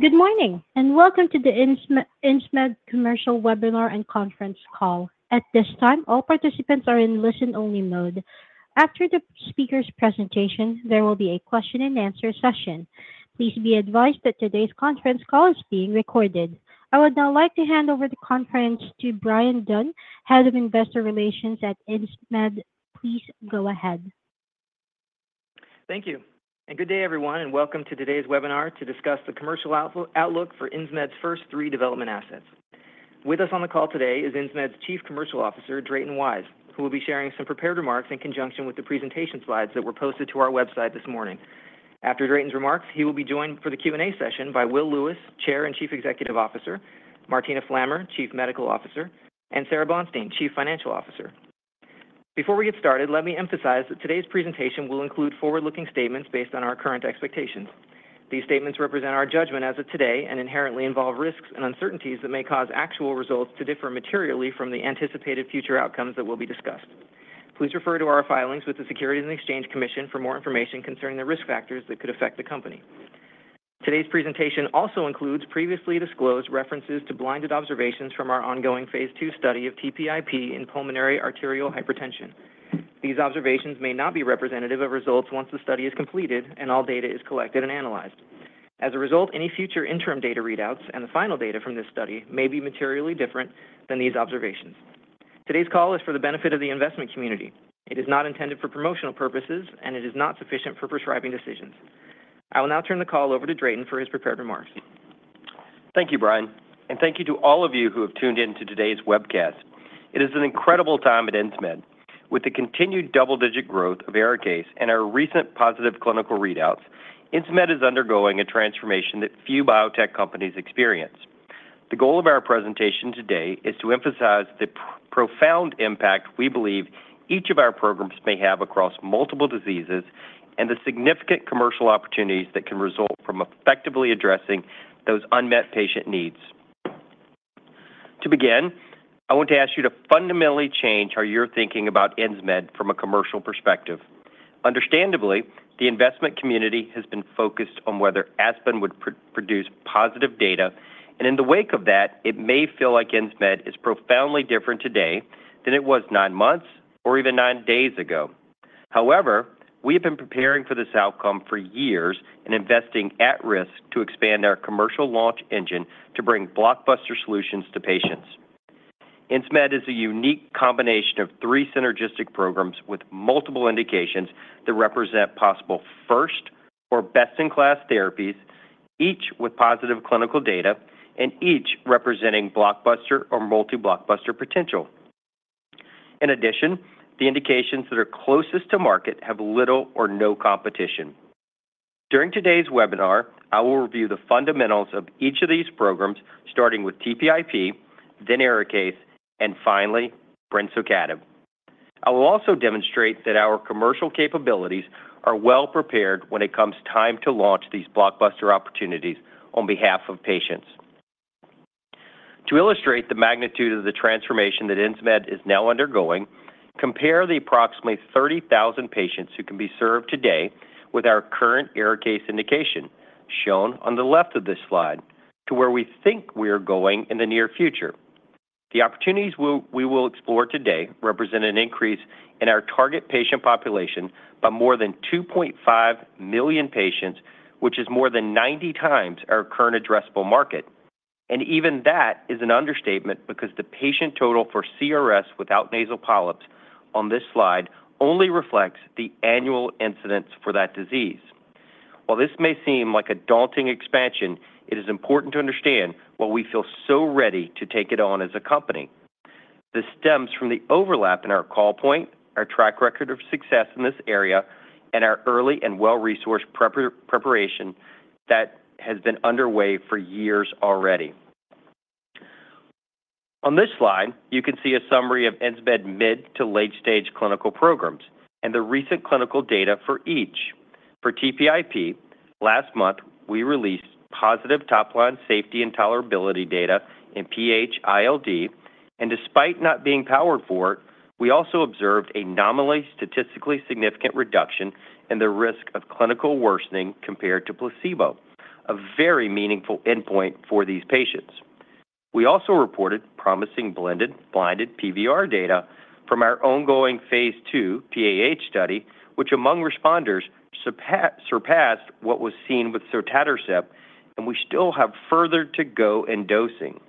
Good morning, and Welcome to the Insmed Commercial Webinar and Conference Call. At this time, all participants are in listen-only mode. After the speaker's presentation, there will be a question-and-answer session. Please be advised that today's conference call is being recorded. I would now like to hand over the conference to Bryan Dunn, Head of Investor Relations at Insmed. Please go ahead. Thank you, and good day, everyone, and welcome to today's webinar to discuss the commercial outlook for Insmed's first three development assets. With us on the call today is Insmed's Chief Commercial Officer, Drayton Wise, who will be sharing some prepared remarks in conjunction with the presentation slides that were posted to our website this morning. After Drayton's remarks, he will be joined for the Q&A session by Will Lewis, Chair and Chief Executive Officer; Martina Flammer, Chief Medical Officer; and Sara Bonstein, Chief Financial Officer. Before we get started, let me emphasize that today's presentation will include forward-looking statements based on our current expectations. These statements represent our judgment as of today and inherently involve risks and uncertainties that may cause actual results to differ materially from the anticipated future outcomes that will be discussed. Please refer to our filings with the Securities and Exchange Commission for more information concerning the risk factors that could affect the company. Today's presentation also includes previously disclosed references to blinded observations from our ongoing phase II study of TPIP in pulmonary arterial hypertension. These observations may not be representative of results once the study is completed and all data is collected and analyzed. As a result, any future interim data readouts and the final data from this study may be materially different than these observations. Today's call is for the benefit of the investment community. It is not intended for promotional purposes, and it is not sufficient for prescribing decisions. I will now turn the call over to Drayton for his prepared remarks. Thank you, Bryan, and thank you to all of you who have tuned in to today's webcast. It is an incredible time at Insmed. With the continued double-digit growth of ARIKAYCE and our recent positive clinical readouts, Insmed is undergoing a transformation that few biotech companies experience. The goal of our presentation today is to emphasize the profound impact we believe each of our programs may have across multiple diseases and the significant commercial opportunities that can result from effectively addressing those unmet patient needs. To begin, I want to ask you to fundamentally change how you're thinking about Insmed from a commercial perspective. Understandably, the investment community has been focused on whether ASPEN would produce positive data, and in the wake of that, it may feel like Insmed is profoundly different today than it was nine months or even nine days ago. However, we have been preparing for this outcome for years and investing at risk to expand our commercial launch engine to bring blockbuster solutions to patients. Insmed is a unique combination of three synergistic programs with multiple indications that represent possible first or best-in-class therapies, each with positive clinical data and each representing blockbuster or multi-blockbuster potential. In addition, the indications that are closest to market have little or no competition. During today's webinar, I will review the fundamentals of each of these programs, starting with TPIP, then ARIKAYCE, and finally, brensocatib. I will also demonstrate that our commercial capabilities are well-prepared when it comes time to launch these blockbuster opportunities on behalf of patients. To illustrate the magnitude of the transformation that Insmed is now undergoing, compare the approximately 30,000 patients who can be served today with our current ARIKAYCE indication, shown on the left of this slide, to where we think we are going in the near future. The opportunities we will, we will explore today represent an increase in our target patient population by more than 2.5 million patients, which is more than 90 times our current addressable market. Even that is an understatement because the patient total for CRS without nasal polyps on this slide only reflects the annual incidence for that disease. While this may seem like a daunting expansion, it is important to understand why we feel so ready to take it on as a company. This stems from the overlap in our call point, our track record of success in this area, and our early and well-resourced preparation that has been underway for years already. On this slide, you can see a summary of Insmed mid- to late-stage clinical programs and the recent clinical data for each. For TPIP, last month, we released positive top-line safety and tolerability data in PH-ILD, and despite not being powered for it, we also observed a nominally statistically significant reduction in the risk of clinical worsening compared to placebo, a very meaningful endpoint for these patients. We also reported promising blended, blinded PVR data from our ongoing phase II PAH study, which among responders surpassed what was seen with sotatercept, and we still have further to go in dosing.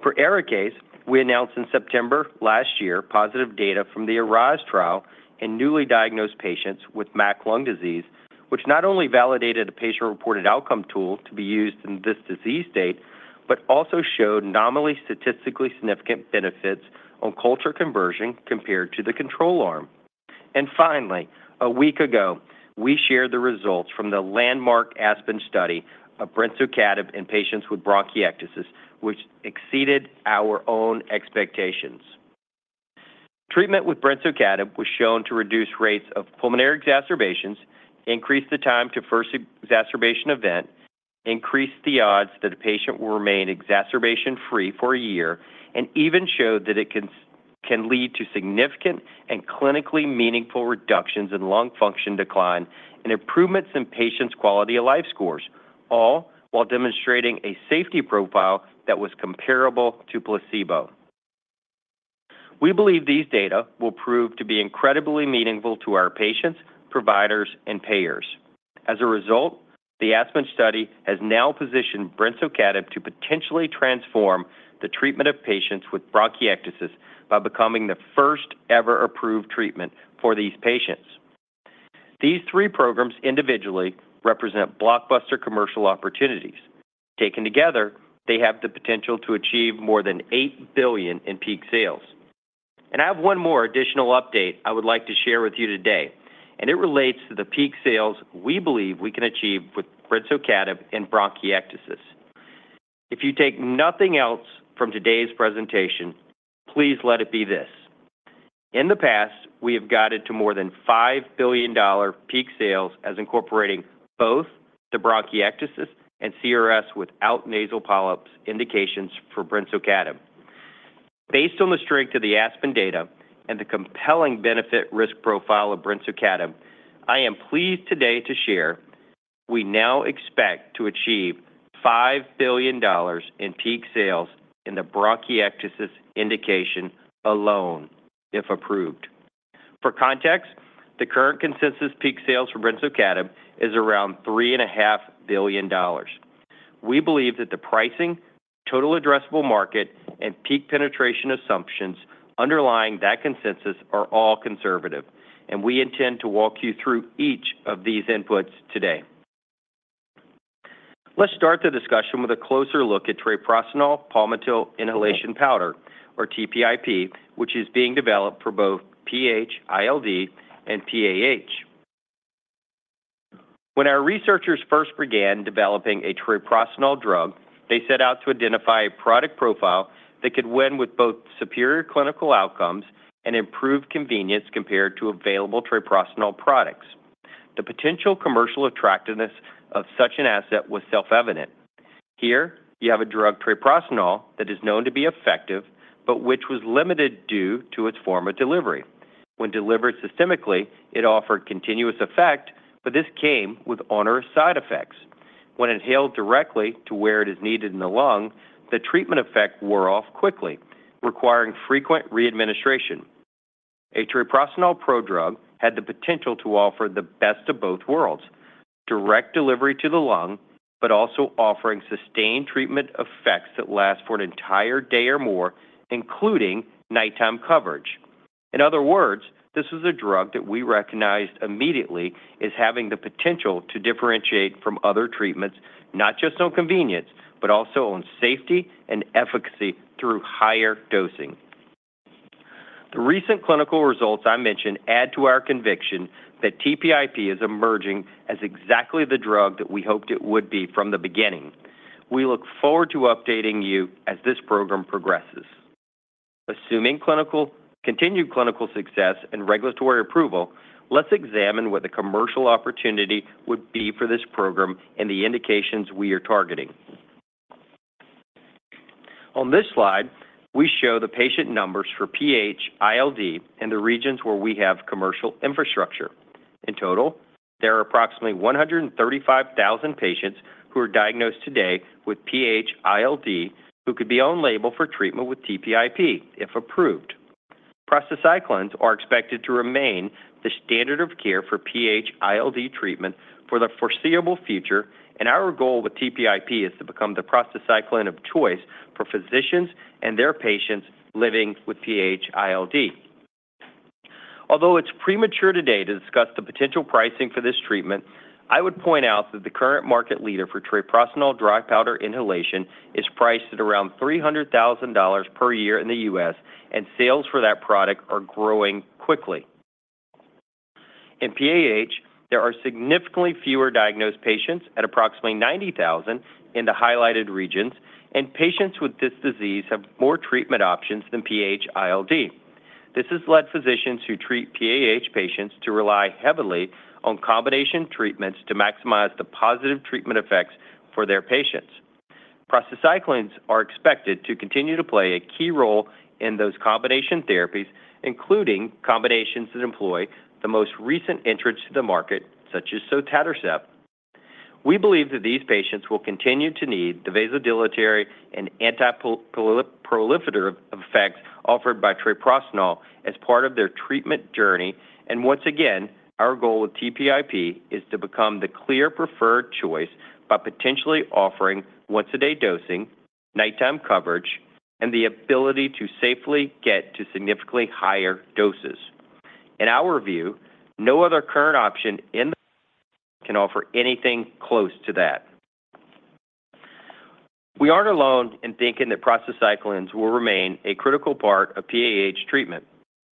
For ARIKAYCE, we announced in September last year positive data from the ARISE trial in newly diagnosed patients with MAC lung disease, which not only validated a patient-reported outcome tool to be used in this disease state, but also showed nominally statistically significant benefits on culture conversion compared to the control arm. And finally, a week ago, we shared the results from the landmark ASPEN study of brensocatib in patients with bronchiectasis, which exceeded our own expectations. Treatment with brensocatib was shown to reduce rates of pulmonary exacerbations, increase the time to first exacerbation event, increase the odds that a patient will remain exacerbation-free for a year, and even showed that it can lead to significant and clinically meaningful reductions in lung function decline and improvements in patients' quality of life scores, all while demonstrating a safety profile that was comparable to placebo. We believe these data will prove to be incredibly meaningful to our patients, providers, and payers. As a result, the ASPEN study has now positioned brensocatib to potentially transform the treatment of patients with bronchiectasis by becoming the first-ever approved treatment for these patients. These three programs individually represent blockbuster commercial opportunities. Taken together, they have the potential to achieve more than $8 billion in peak sales. And I have one more additional update I would like to share with you today, and it relates to the peak sales we believe we can achieve with brensocatib in bronchiectasis. If you take nothing else from today's presentation, please let it be this. In the past, we have guided to more than $5 billion peak sales as incorporating both the bronchiectasis and CRS without nasal polyps indications for brensocatib. Based on the strength of the ASPEN data and the compelling benefit-risk profile of brensocatib, I am pleased today to share. We now expect to achieve $5 billion in peak sales in the bronchiectasis indication alone, if approved. For context, the current consensus peak sales for brensocatib is around $3.5 billion. We believe that the pricing, total addressable market, and peak penetration assumptions underlying that consensus are all conservative, and we intend to walk you through each of these inputs today. Let's start the discussion with a closer look at treprostinil palmitil inhalation powder, or TPIP, which is being developed for both PH-ILD and PAH. When our researchers first began developing a treprostinil drug, they set out to identify a product profile that could win with both superior clinical outcomes and improved convenience compared to available treprostinil products. The potential commercial attractiveness of such an asset was self-evident. Here, you have a drug, treprostinil, that is known to be effective, but which was limited due to its form of delivery. When delivered systemically, it offered continuous effect, but this came with onerous side effects. When inhaled directly to where it is needed in the lung, the treatment effect wore off quickly, requiring frequent re-administration. A treprostinil pro-drug had the potential to offer the best of both worlds, direct delivery to the lung, but also offering sustained treatment effects that last for an entire day or more, including nighttime coverage. In other words, this was a drug that we recognized immediately as having the potential to differentiate from other treatments, not just on convenience, but also on safety and efficacy through higher dosing. The recent clinical results I mentioned add to our conviction that TPIP is emerging as exactly the drug that we hoped it would be from the beginning. We look forward to updating you as this program progresses. Assuming continued clinical success and regulatory approval, let's examine what the commercial opportunity would be for this program and the indications we are targeting. On this slide, we show the patient numbers for PH-ILD in the regions where we have commercial infrastructure. In total, there are approximately 135,000 patients who are diagnosed today with PH-ILD, who could be on-label for treatment with TPIP, if approved. prostacyclins are expected to remain the standard of care for PH-ILD treatment for the foreseeable future, and our goal with TPIP is to become the prostacyclin of choice for physicians and their patients living with PH-ILD. Although it's premature today to discuss the potential pricing for this treatment, I would point out that the current market leader for treprostinil dry powder inhalation is priced at around $300,000 per year in the U.S., and sales for that product are growing quickly. In PAH, there are significantly fewer diagnosed patients at approximately 90,000 in the highlighted regions, and patients with this disease have more treatment options than PH-ILD. This has led physicians who treat PAH patients to rely heavily on combination treatments to maximize the positive treatment effects for their patients. prostacyclins are expected to continue to play a key role in those combination therapies, including combinations that employ the most recent entrants to the market, such as Sotatercept. We believe that these patients will continue to need the vasodilatory and anti-proliferative effects offered by treprostinil as part of their treatment journey, and once again, our goal with TPIP is to become the clear preferred choice by potentially offering once-a-day dosing, nighttime coverage, and the ability to safely get to significantly higher doses. In our view, no other current option in the class can offer anything close to that. We aren't alone in thinking that prostacyclins will remain a critical part of PAH treatment.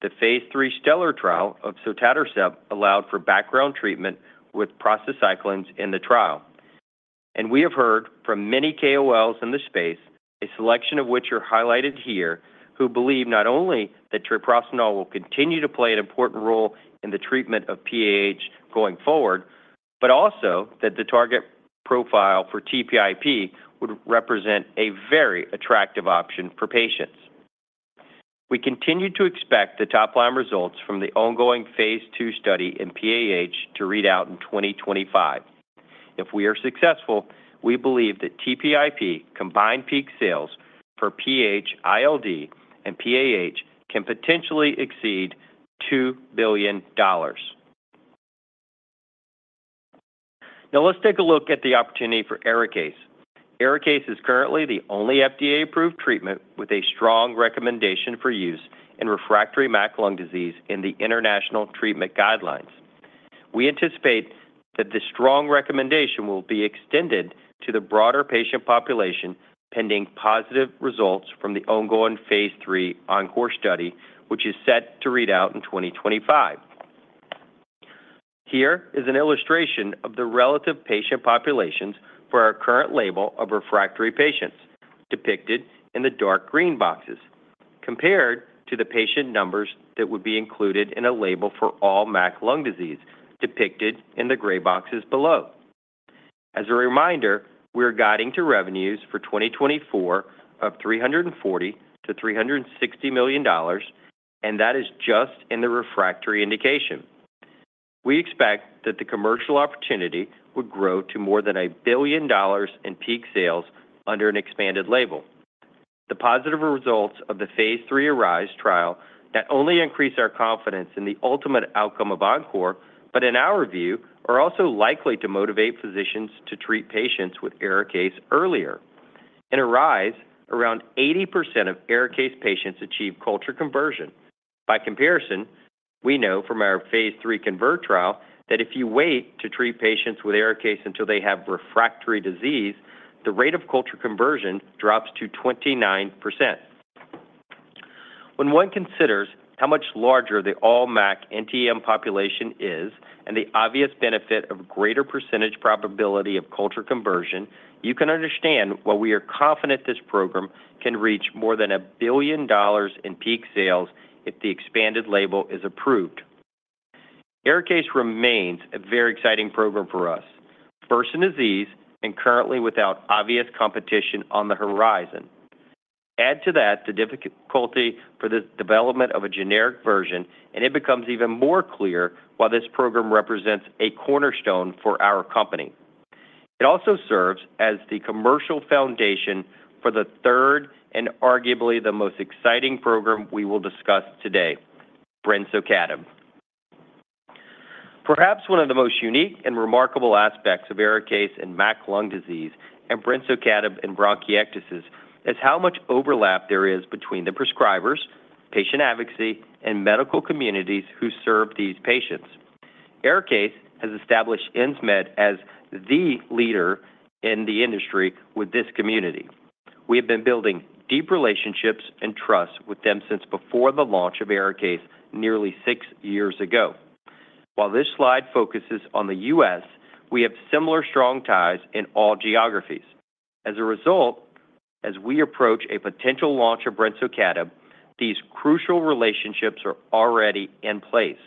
The phase III STELLAR trial of Sotatercept allowed for background treatment with prostacyclins in the trial, and we have heard from many KOLs in this space, a selection of which are highlighted here, who believe not only that treprostinil will continue to play an important role in the treatment of PAH going forward. but also that the target profile for TPIP would represent a very attractive option for patients. We continue to expect the top-line results from the ongoing phase II study in PAH to read out in 2025. If we are successful, we believe that TPIP combined peak sales for PAH, ILD, and PAH can potentially exceed $2 billion. Now let's take a look at the opportunity for ARIKAYCE. ARIKAYCE is currently the only FDA-approved treatment with a strong recommendation for use in refractory MAC lung disease in the international treatment guidelines. We anticipate that this strong recommendation will be extended to the broader patient population, pending positive results from the ongoing phase III ENCORE study, which is set to read out in 2025. Here is an illustration of the relative patient populations for our current label of refractory patients, depicted in the dark green boxes, compared to the patient numbers that would be included in a label for all MAC Lung Disease, depicted in the gray boxes below. As a reminder, we are guiding to revenues for 2024 of $340 million-$360 million, and that is just in the refractory indication. We expect that the commercial opportunity would grow to more than $1 billion in peak sales under an expanded label. The positive results of the phase III ARISE trial not only increase our confidence in the ultimate outcome of ENCORE, but in our view, are also likely to motivate physicians to treat patients with ARIKAYCE earlier. In ARISE, around 80% of ARIKAYCE patients achieve culture conversion. By comparison, we know from our phase III CONVERT trial that if you wait to treat patients with ARIKAYCE until they have refractory disease, the rate of culture conversion drops to 29%. When one considers how much larger the all-MAC NTM population is and the obvious benefit of greater percentage probability of culture conversion, you can understand why we are confident this program can reach more than $1 billion in peak sales if the expanded label is approved. ARIKAYCE remains a very exciting program for us, first in disease and currently without obvious competition on the horizon. Add to that the difficulty for the development of a generic version, and it becomes even more clear why this program represents a cornerstone for our company. It also serves as the commercial foundation for the third and arguably the most exciting program we will discuss today, brensocatib. Perhaps one of the most unique and remarkable aspects of ARIKAYCE and MAC lung disease and brensocatib in bronchiectasis is how much overlap there is between the prescribers, patient advocacy, and medical communities who serve these patients. ARIKAYCE has established Insmed as the leader in the industry with this community. We have been building deep relationships and trust with them since before the launch of ARIKAYCE nearly six years ago. While this slide focuses on the U.S., we have similar strong ties in all geographies. As a result, as we approach a potential launch of brensocatib, these crucial relationships are already in place.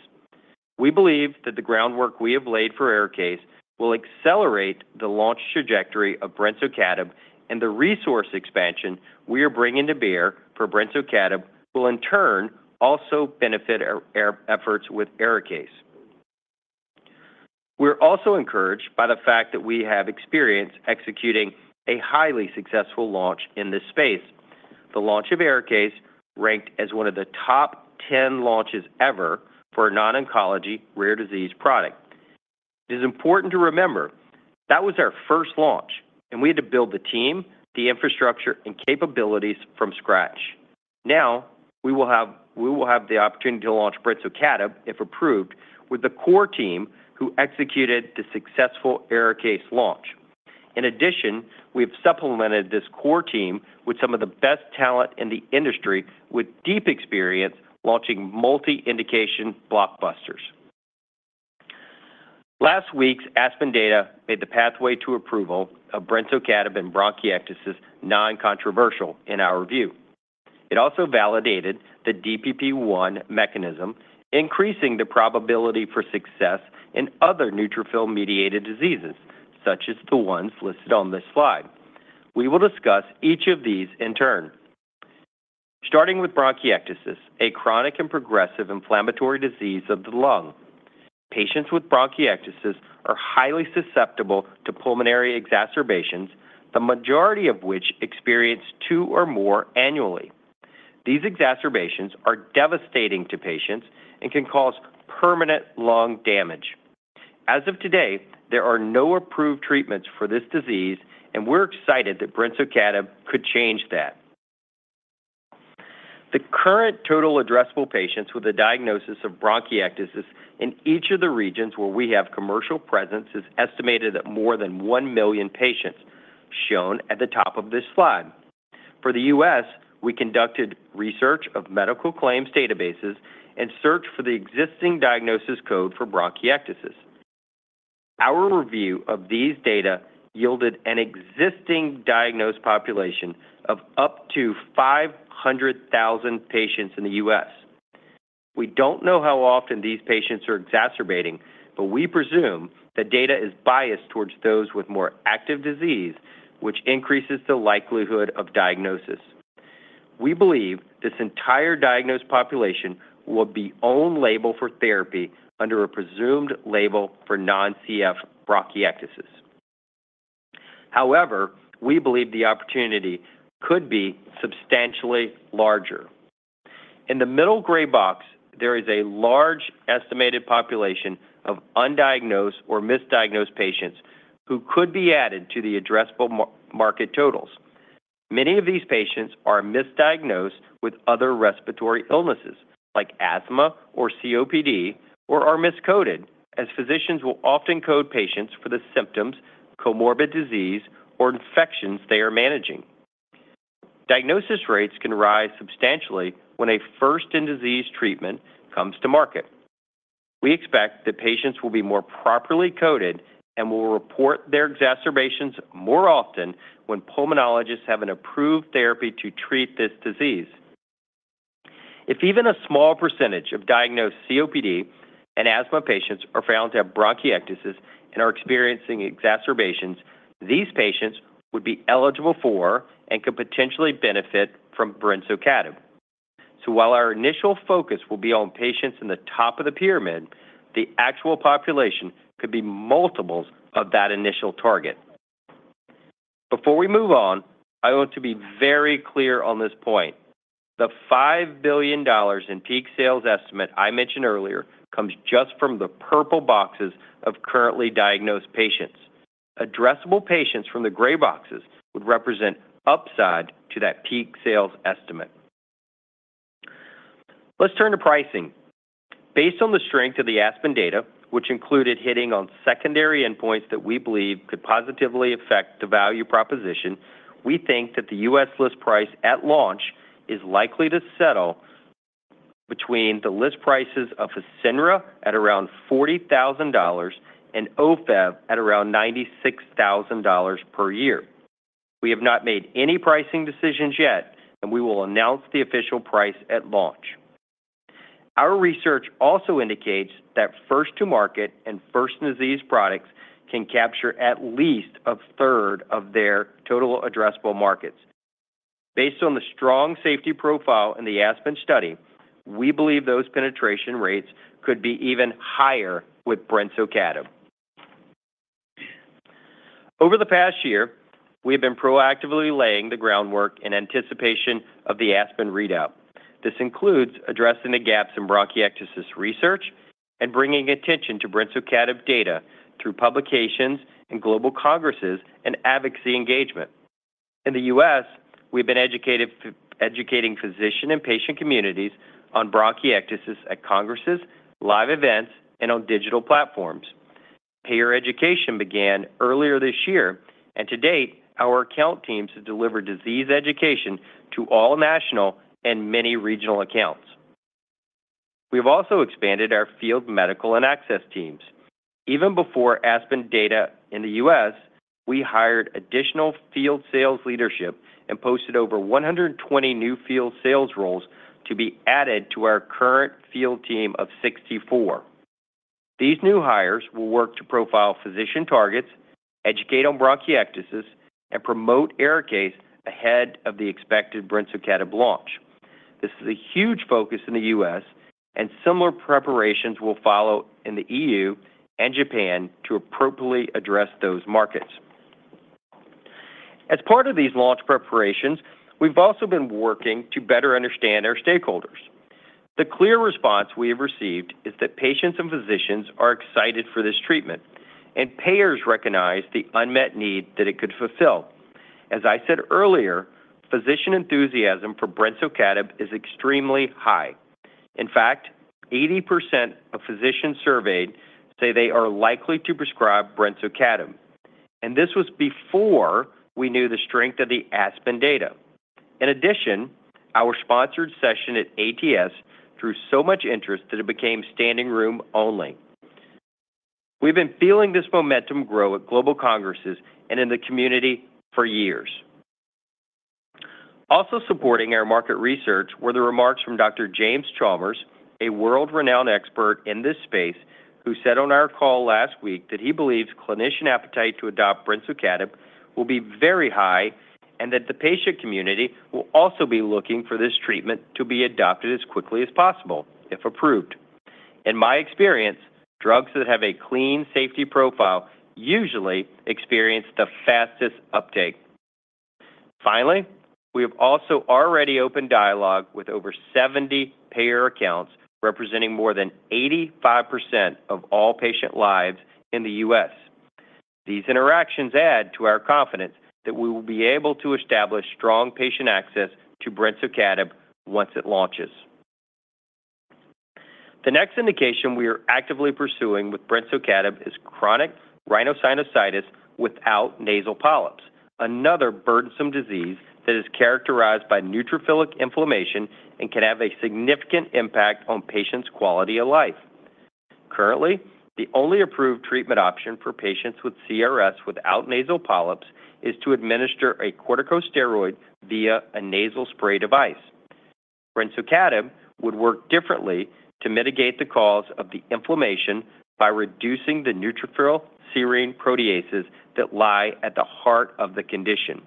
We believe that the groundwork we have laid for ARIKAYCE will accelerate the launch trajectory of brensocatib, and the resource expansion we are bringing to bear for brensocatib will in turn also benefit our efforts with ARIKAYCE. We're also encouraged by the fact that we have experience executing a highly successful launch in this space. The launch of ARIKAYCE ranked as one of the top 10 launches ever for a non-oncology rare disease product. It is important to remember that was our first launch, and we had to build the team, the infrastructure, and capabilities from scratch. Now, we will have, we will have the opportunity to launch brensocatib, if approved, with the core team who executed the successful ARIKAYCE launch. In addition, we have supplemented this core team with some of the best talent in the industry, with deep experience launching multi-indication blockbusters. Last week's ASPEN data made the pathway to approval of brensocatib in bronchiectasis non-controversial, in our view. It also validated the DPP1 mechanism, increasing the probability for success in other neutrophil-mediated diseases, such as the ones listed on this slide. We will discuss each of these in turn. Starting with bronchiectasis, a chronic and progressive inflammatory disease of the lung. Patients with bronchiectasis are highly susceptible to pulmonary exacerbations, the majority of which experience two or more annually. These exacerbations are devastating to patients and can cause permanent lung damage. As of today, there are no approved treatments for this disease, and we're excited that brensocatib could change that. The current total addressable patients with a diagnosis of bronchiectasis in each of the regions where we have commercial presence is estimated at more than 1 million patients, shown at the top of this slide. For the U.S., we conducted research of medical claims databases and searched for the existing diagnosis code for bronchiectasis. Our review of these data yielded an existing diagnosed population of up to 500,000 patients in the U.S. We don't know how often these patients are exacerbating, but we presume that data is biased towards those with more active disease, which increases the likelihood of diagnosis. We believe this entire diagnosed population will be on-label for therapy under a presumed label for non-CF bronchiectasis. However, we believe the opportunity could be substantially larger. In the middle gray box, there is a large estimated population of undiagnosed or misdiagnosed patients who could be added to the addressable market totals. Many of these patients are misdiagnosed with other respiratory illnesses like asthma or COPD, or are miscoded, as physicians will often code patients for the symptoms, comorbid disease, or infections they are managing. Diagnosis rates can rise substantially when a first-in-disease treatment comes to market. We expect that patients will be more properly coded and will report their exacerbations more often when pulmonologists have an approved therapy to treat this disease. If even a small percentage of diagnosed COPD and asthma patients are found to have bronchiectasis and are experiencing exacerbations, these patients would be eligible for and could potentially benefit from brensocatib. So while our initial focus will be on patients in the top of the pyramid, the actual population could be multiples of that initial target. Before we move on, I want to be very clear on this point. The $5 billion in peak sales estimate I mentioned earlier comes just from the purple boxes of currently diagnosed patients. Addressable patients from the gray boxes would represent upside to that peak sales estimate. Let's turn to pricing. Based on the strength of the ASPEN data, which included hitting on secondary endpoints that we believe could positively affect the value proposition, we think that the U.S. list price at launch is likely to settle between the list prices of Fasenra at around $40,000 and Ofev at around $96,000 per year. We have not made any pricing decisions yet, and we will announce the official price at launch. Our research also indicates that first-to-market and first-in-disease products can capture at least a third of their total addressable markets. Based on the strong safety profile in the ASPEN study, we believe those penetration rates could be even higher with brensocatib. Over the past year, we have been proactively laying the groundwork in anticipation of the ASPEN readout. This includes addressing the gaps in bronchiectasis research and bringing attention to brensocatib data through publications and global congresses and advocacy engagement. In the U.S., we've been educating physician and patient communities on bronchiectasis at congresses, live events, and on digital platforms. Payer education began earlier this year, and to date, our account teams have delivered disease education to all national and many regional accounts. We've also expanded our field medical and access teams. Even before ASPEN Data in the U.S., we hired additional field sales leadership and posted over 120 new field sales roles to be added to our current field team of 64. These new hires will work to profile physician targets, educate on bronchiectasis, and promote ARIKAYCE ahead of the expected brensocatib launch. This is a huge focus in the U.S., and similar preparations will follow in the E.U. and Japan to appropriately address those markets. As part of these launch preparations, we've also been working to better understand our stakeholders. The clear response we have received is that patients and physicians are excited for this treatment, and payers recognize the unmet need that it could fulfill. As I said earlier, physician enthusiasm for brensocatib is extremely high. In fact, 80% of physicians surveyed say they are likely to prescribe brensocatib, and this was before we knew the strength of the ASPEN data. In addition, our sponsored session at ATS drew so much interest that it became standing room only. We've been feeling this momentum grow at global congresses and in the community for years. Also supporting our market research were the remarks from Dr. James Chalmers, a world-renowned expert in this space, who said on our call last week that he believes clinician appetite to adopt brensocatib will be very high and that the patient community will also be looking for this treatment to be adopted as quickly as possible, if approved. In my experience, drugs that have a clean safety profile usually experience the fastest uptake. Finally, we have also already opened dialogue with over 70 payer accounts, representing more than 85% of all patient lives in the U.S. These interactions add to our confidence that we will be able to establish strong patient access to brensocatib once it launches. The next indication we are actively pursuing with brensocatib is chronic rhinosinusitis without nasal polyps, another burdensome disease that is characterized by neutrophilic inflammation and can have a significant impact on patients' quality of life.... Currently, the only approved treatment option for patients with CRS without nasal polyps is to administer a corticosteroid via a nasal spray device. Brensocatib would work differently to mitigate the cause of the inflammation by reducing the neutrophil serine proteases that lie at the heart of the condition.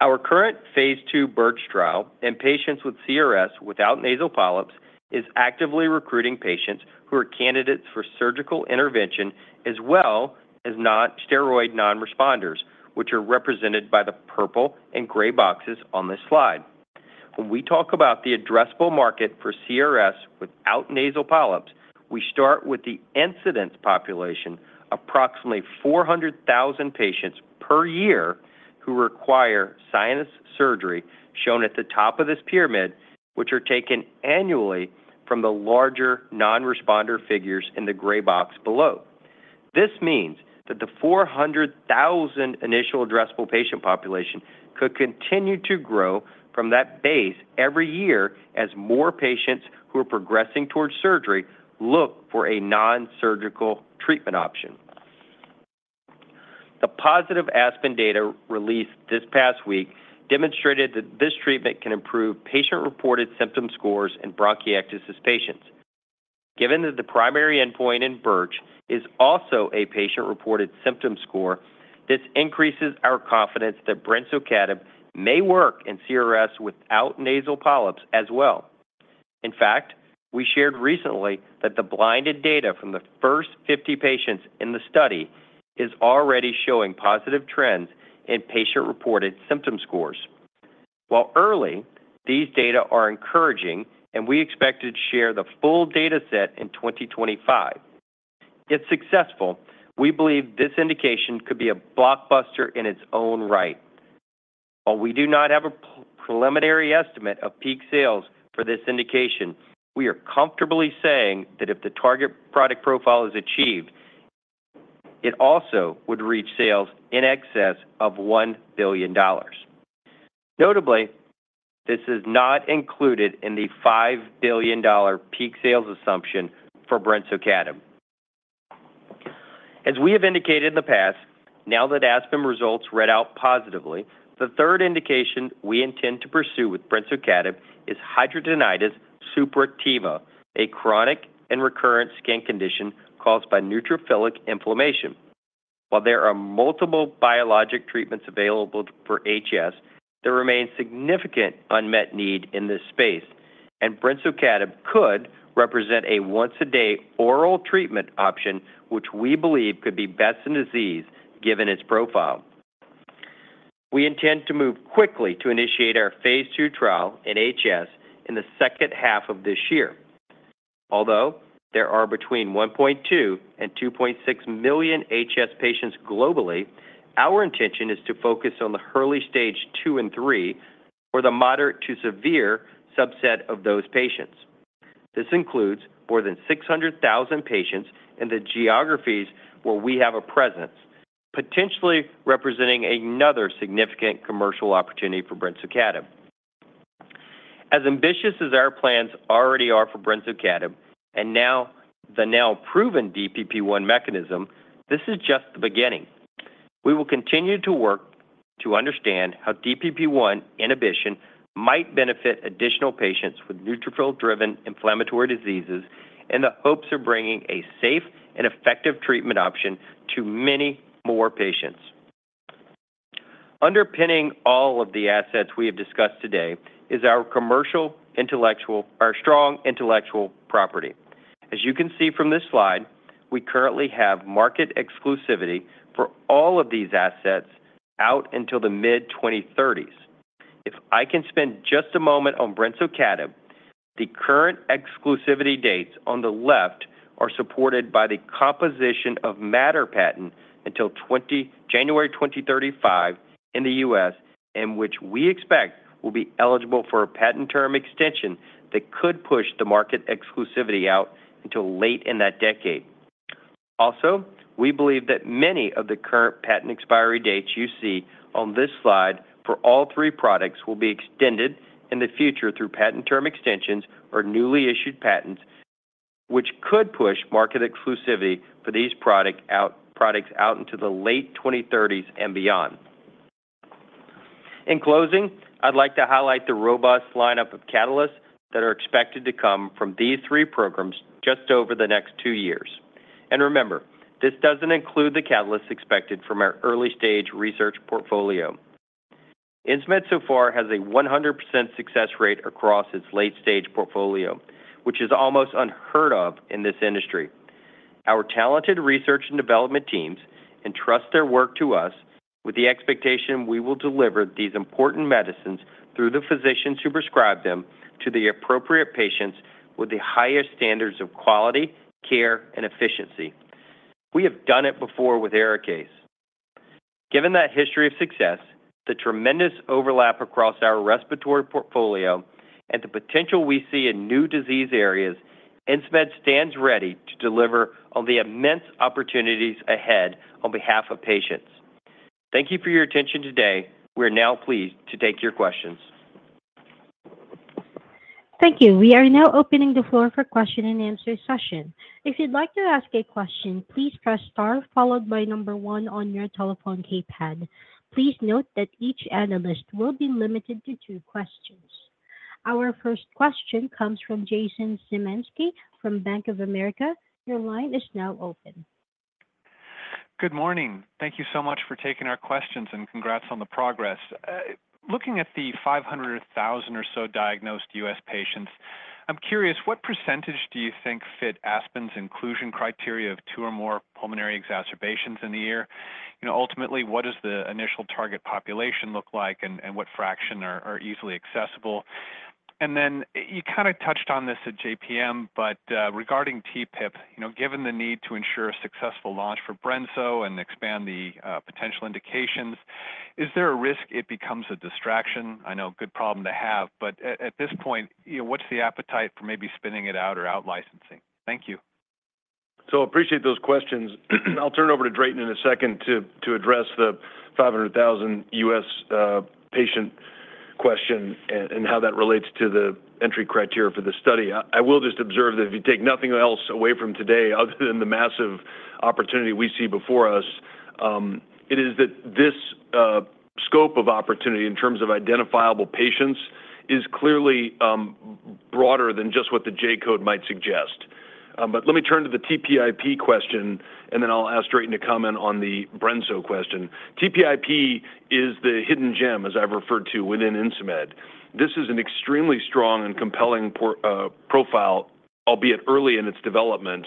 Our current phase II BIRCH trial in patients with CRS without nasal polyps is actively recruiting patients who are candidates for surgical intervention, as well as non-steroid non-responders, which are represented by the purple and gray boxes on this slide. When we talk about the addressable market for CRS without nasal polyps, we start with the incidence population, approximately 400,000 patients per year who require sinus surgery, shown at the top of this pyramid, which are taken annually from the larger non-responder figures in the gray box below. This means that the 400,000 initial addressable patient population could continue to grow from that base every year as more patients who are progressing towards surgery look for a non-surgical treatment option. The positive ASPEN data released this past week demonstrated that this treatment can improve patient-reported symptom scores in bronchiectasis patients. Given that the primary endpoint in BIRCH is also a patient-reported symptom score, this increases our confidence that brensocatib may work in CRS without nasal polyps as well. In fact, we shared recently that the blinded data from the first 50 patients in the study is already showing positive trends in patient-reported symptom scores. While early, these data are encouraging, and we expect to share the full data set in 2025. If successful, we believe this indication could be a blockbuster in its own right. While we do not have a preliminary estimate of peak sales for this indication, we are comfortably saying that if the target product profile is achieved, it also would reach sales in excess of $1 billion. Notably, this is not included in the $5 billion peak sales assumption for brensocatib. As we have indicated in the past, now that ASPEN results read out positively, the third indication we intend to pursue with brensocatib is hidradenitis suppurativa, a chronic and recurrent skin condition caused by neutrophilic inflammation. While there are multiple biologic treatments available for HS, there remains significant unmet need in this space, and brensocatib could represent a once-a-day oral treatment option, which we believe could be best in disease, given its profile. We intend to move quickly to initiate our phase II trial in HS in the second half of this year. Although there are between 1.2 and 2.6 million HS patients globally, our intention is to focus on the early stage two and three, or the moderate to severe subset of those patients. This includes more than 600,000 patients in the geographies where we have a presence, potentially representing another significant commercial opportunity for brensocatib. As ambitious as our plans already are for brensocatib and now, the now proven DPP1 mechanism, this is just the beginning. We will continue to work to understand how DPP1 inhibition might benefit additional patients with neutrophil-driven inflammatory diseases in the hopes of bringing a safe and effective treatment option to many more patients. Underpinning all of the assets we have discussed today is our commercial intellectual-- our strong intellectual property. As you can see from this slide, we currently have market exclusivity for all of these assets out until the mid-2030s. If I can spend just a moment on brensocatib, the current exclusivity dates on the left are supported by the composition of matter patent until January 20, 2035 in the U.S., and which we expect will be eligible for a patent term extension that could push the market exclusivity out until late in that decade. Also, we believe that many of the current patent expiry dates you see on this slide for all three products will be extended in the future through patent term extensions or newly issued patents, which could push market exclusivity for these product out, products out into the late 2030s and beyond. In closing, I'd like to highlight the robust lineup of catalysts that are expected to come from these three programs just over the next two years. Remember, this doesn't include the catalysts expected from our early-stage research portfolio. Insmed so far has a 100% success rate across its late-stage portfolio, which is almost unheard of in this industry. Our talented research and development teams entrust their work to us with the expectation we will deliver these important medicines through the physicians who prescribe them to the appropriate patients with the highest standards of quality, care, and efficiency. We have done it before with ARIKAYCE. Given that history of success, the tremendous overlap across our respiratory portfolio, and the potential we see in new disease areas, Insmed stands ready to deliver on the immense opportunities ahead on behalf of patients... Thank you for your attention today. We are now pleased to take your questions. Thank you. We are now opening the floor for question and answer session. If you'd like to ask a question, please press star followed by one on your telephone keypad. Please note that each analyst will be limited to two questions. Our first question comes from Jason Zemansky from Bank of America. Your line is now open. Good morning. Thank you so much for taking our questions, and congrats on the progress. Looking at the 500,000 or so diagnosed U.S. patients, I'm curious, what percentage do you think fit ASPEN's inclusion criteria of two or more pulmonary exacerbations in a year? And ultimately, what does the initial target population look like, and what fraction are easily accessible? And then you kind of touched on this at JPM, but regarding TPIP, you know, given the need to ensure a successful launch for brensocatib and expand the potential indications, is there a risk it becomes a distraction? I know a good problem to have, but at this point, you know, what's the appetite for maybe spinning it out or out licensing? Thank you. Appreciate those questions. I'll turn it over to Drayton in a second to address the 500,000 U.S. patient question and how that relates to the entry criteria for the study. I will just observe that if you take nothing else away from today other than the massive opportunity we see before us, it is that this scope of opportunity in terms of identifiable patients is clearly broader than just what the J code might suggest. But let me turn to the TPIP question, and then I'll ask Drayton to comment on the brensocatib question. TPIP is the hidden gem, as I've referred to, within Insmed. This is an extremely strong and compelling profile, albeit early in its development,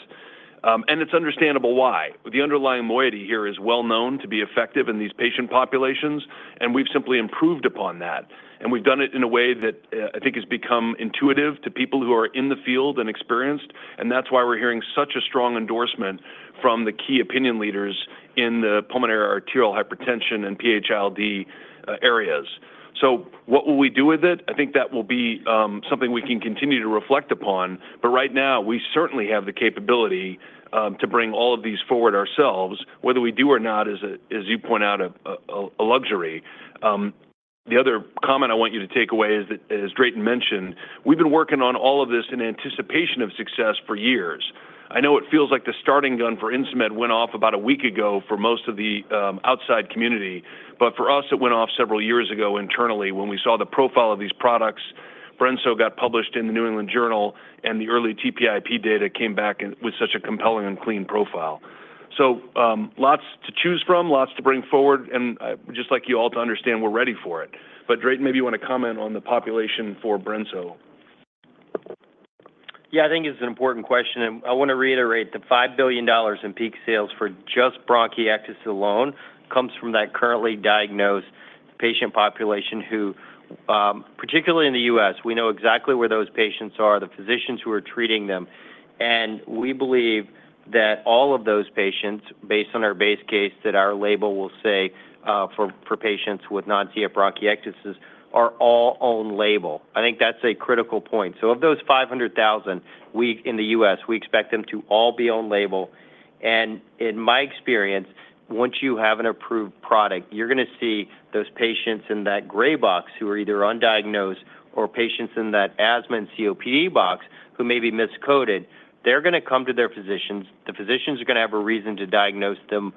and it's understandable why. The underlying moiety here is well known to be effective in these patient populations, and we've simply improved upon that, and we've done it in a way that, I think has become intuitive to people who are in the field and experienced, and that's why we're hearing such a strong endorsement from the key opinion leaders in the pulmonary arterial hypertension and PH-ILD, areas. So what will we do with it? I think that will be, something we can continue to reflect upon, but right now, we certainly have the capability, to bring all of these forward ourselves. Whether we do or not is a, as you point out, a luxury. The other comment I want you to take away is that, as Drayton mentioned, we've been working on all of this in anticipation of success for years. I know it feels like the starting gun for Insmed went off about a week ago for most of the outside community, but for us, it went off several years ago internally when we saw the profile of these products. brensocatib got published in the New England Journal, and the early TPIP data came back and with such a compelling and clean profile. So, lots to choose from, lots to bring forward, and we'd just like you all to understand we're ready for it. But Drayton, maybe you want to comment on the population for brensocatib. Yeah, I think it's an important question, and I want to reiterate the $5 billion in peak sales for just bronchiectasis alone comes from that currently diagnosed patient population who, particularly in the U.S., we know exactly where those patients are, the physicians who are treating them, and we believe that all of those patients, based on our base case, that our label will say, for, for patients with non-CF bronchiectasis, are all on label. I think that's a critical point. So of those 500,000, we, in the U.S., we expect them to all be on label, and in my experience, once you have an approved product, you're gonna see those patients in that gray box who are either undiagnosed or patients in that asthma and COPD box who may be miscoded. They're gonna come to their physicians. The physicians are gonna have a reason to diagnose them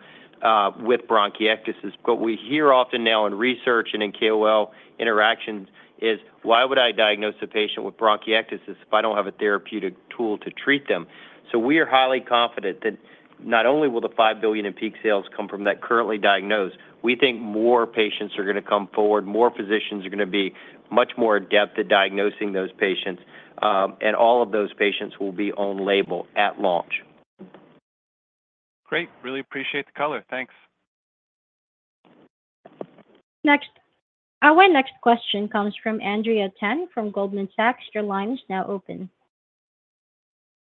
with bronchiectasis. What we hear often now in research and in KOL interactions is, "Why would I diagnose a patient with bronchiectasis if I don't have a therapeutic tool to treat them?" So we are highly confident that not only will the $5 billion in peak sales come from that currently diagnosed, we think more patients are gonna come forward, more physicians are gonna be much more adept at diagnosing those patients, and all of those patients will be on label at launch. Great. Really appreciate the color. Thanks. Next. Our next question comes from Andrea Tan from Goldman Sachs. Your line is now open.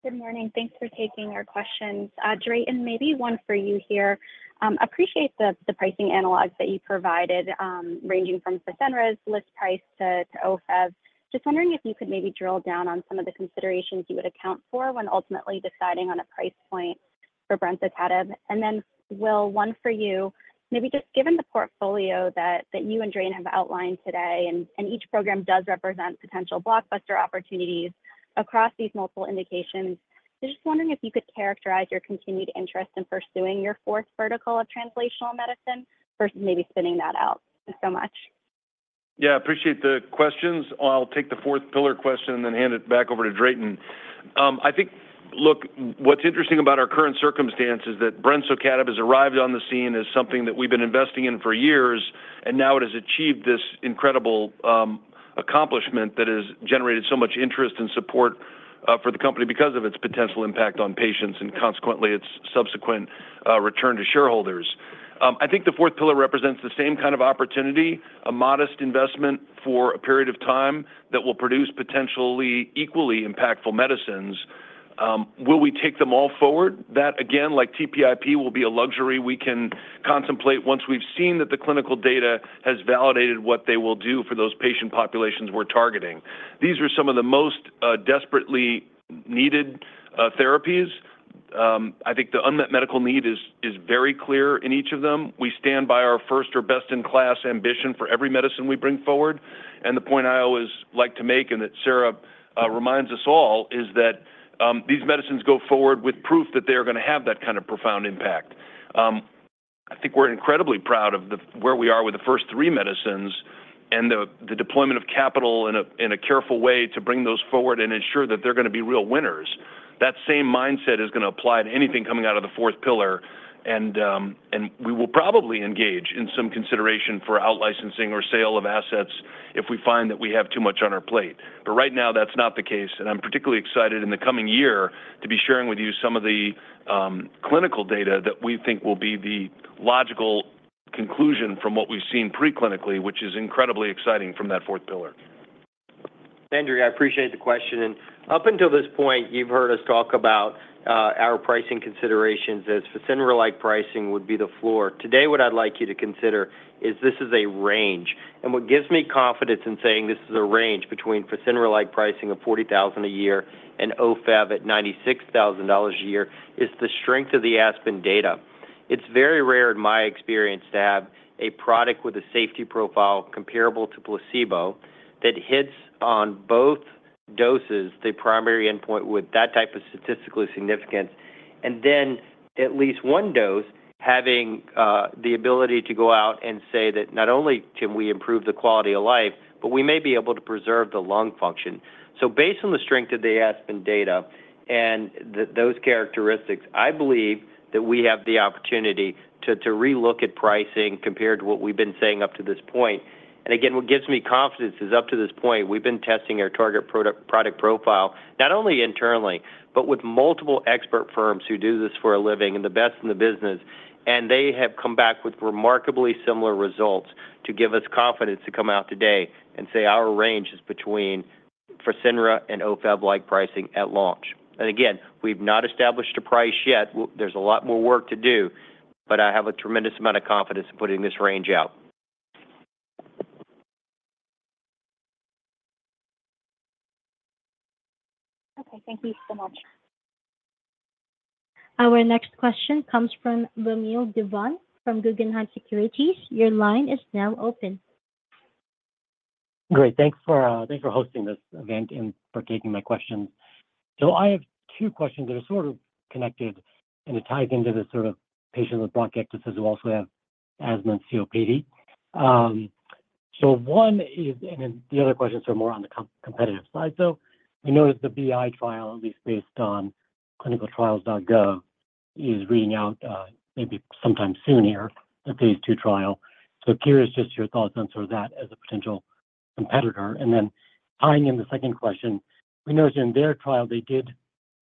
Good morning. Thanks for taking our questions. Drayton, maybe one for you here. Appreciate the, the pricing analog that you provided, ranging from Fasenra's list price to, to Ofev. Just wondering if you could maybe drill down on some of the considerations you would account for when ultimately deciding on a price point for brensocatib. And then, Will, one for you. Maybe just given the portfolio that, that you and Drayton have outlined today, and, and each program does represent potential blockbuster opportunities across these multiple indications. Just wondering if you could characterize your continued interest in pursuing your fourth vertical of translational medicine versus maybe spinning that out. Thanks so much. Yeah, appreciate the questions. I'll take the fourth pillar question and then hand it back over to Drayton. I think, look, what's interesting about our current circumstance is that brensocatib has arrived on the scene as something that we've been investing in for years, and now it has achieved this incredible accomplishment that has generated so much interest and support for the company because of its potential impact on patients and consequently its subsequent return to shareholders. I think the fourth pillar represents the same kind of opportunity, a modest investment for a period of time that will produce potentially equally impactful medicines. Will we take them all forward? That, again, like TPIP, will be a luxury we can contemplate once we've seen that the clinical data has validated what they will do for those patient populations we're targeting. These are some of the most desperately needed therapies. I think the unmet medical need is very clear in each of them. We stand by our first or best-in-class ambition for every medicine we bring forward, and the point I always like to make, and that Sara reminds us all, is that these medicines go forward with proof that they're gonna have that kind of profound impact. I think we're incredibly proud of where we are with the first three medicines and the deployment of capital in a careful way to bring those forward and ensure that they're gonna be real winners. That same mindset is gonna apply to anything coming out of the fourth pillar, and we will probably engage in some consideration for out-licensing or sale of assets if we find that we have too much on our plate. But right now, that's not the case, and I'm particularly excited in the coming year to be sharing with you some of the clinical data that we think will be the logical conclusion from what we've seen pre-clinically, which is incredibly exciting from that fourth pillar. Andrea, I appreciate the question, and up until this point, you've heard us talk about our pricing considerations as Fasenra-like pricing would be the floor. Today, what I'd like you to consider is this is a range, and what gives me confidence in saying this is a range between Fasenra-like pricing of $40,000 a year and Ofev at $96,000 a year, is the strength of the ASPEN data. It's very rare, in my experience, to have a product with a safety profile comparable to placebo that hits on both doses, the primary endpoint with that type of statistically significance, and then at least one dose having the ability to go out and say that, "Not only can we improve the quality of life, but we may be able to preserve the lung function." So based on the strength of the ASPEN data and those characteristics, I believe that we have the opportunity to relook at pricing compared to what we've been saying up to this point. And again, what gives me confidence is, up to this point, we've been testing our target product profile, not only internally, but with multiple expert firms who do this for a living and the best in the business, and they have come back with remarkably similar results to give us confidence to come out today and say our range is between Fasenra and Ofev-like pricing at launch. And again, we've not established a price yet. There's a lot more work to do, but I have a tremendous amount of confidence in putting this range out. Okay, thank you so much. Our next question comes from Vamil Divan from Guggenheim Securities. Your line is now open. Great. Thanks for hosting this event and for taking my questions. So I have two questions that are sort of connected, and it ties into this sort of patient with bronchiectasis who also have asthma and COPD. The other questions are more on the competitive side, though. We noticed the BI trial, at least based on ClinicalTrials.gov, is reading out, maybe sometime soon here, a phase II trial. So curious just your thoughts on sort of that as a potential competitor. And then tying in the second question, we noticed in their trial they did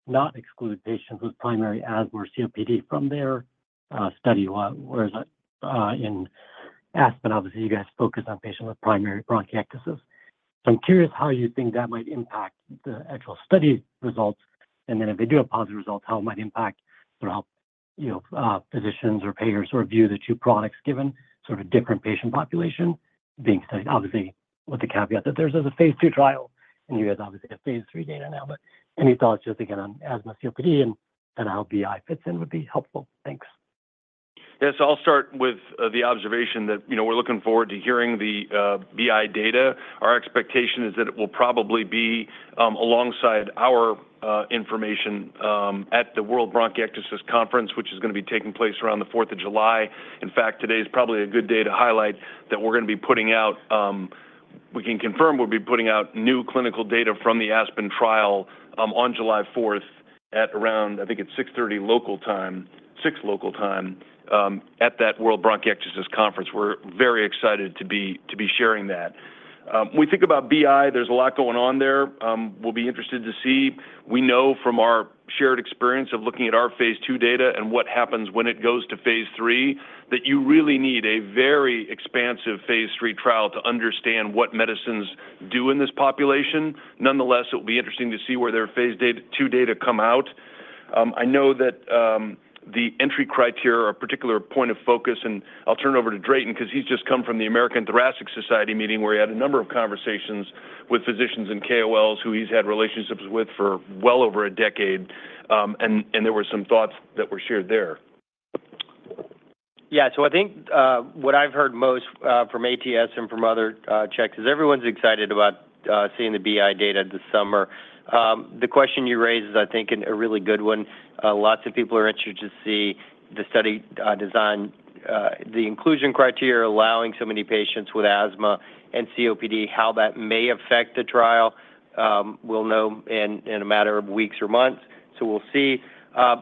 not exclude patients with primary asthma or COPD from their study, whereas, in ASPEN, obviously, you guys focus on patients with primary bronchiectasis. So I'm curious how you think that might impact the actual study results, and then if they do have positive results, how it might impact sort of how, you know, physicians or payers sort of view the two products given sort of different patient population being studied? Obviously, with the caveat that this is a phase II trial, and you guys obviously have phase III data now, but any thoughts just again on asthma, COPD, and how BI fits in would be helpful. Thanks. Yes, I'll start with the observation that, you know, we're looking forward to hearing the BI data. Our expectation is that it will probably be alongside our information at the World Bronchiectasis Conference, which is gonna be taking place around the Fourth of July. In fact, today is probably a good day to highlight that we're gonna be putting out. We can confirm we'll be putting out new clinical data from the ASPEN trial on July 4th, at around, I think, it's 6:30 local time, six local time at that World Bronchiectasis Conference. We're very excited to be sharing that. When we think about BI, there's a lot going on there. We'll be interested to see. We know from our shared experience of looking at our phase II data and what happens when it goes to phase III, that you really need a very expansive phase III trial to understand what medicines do in this population. Nonetheless, it will be interesting to see where their phase II data come out. I know that the entry criteria are a particular point of focus, and I'll turn it over to Drayton because he's just come from the American Thoracic Society meeting, where he had a number of conversations with physicians and KOLs who he's had relationships with for well over a decade. And there were some thoughts that were shared there. Yeah. So I think, what I've heard most, from ATS and from other, checks, is everyone's excited about, seeing the BI data this summer. The question you raised is, I think, a really good one. Lots of people are interested to see the study, design, the inclusion criteria, allowing so many patients with asthma and COPD, how that may affect the trial. We'll know in, a matter of weeks or months, so we'll see.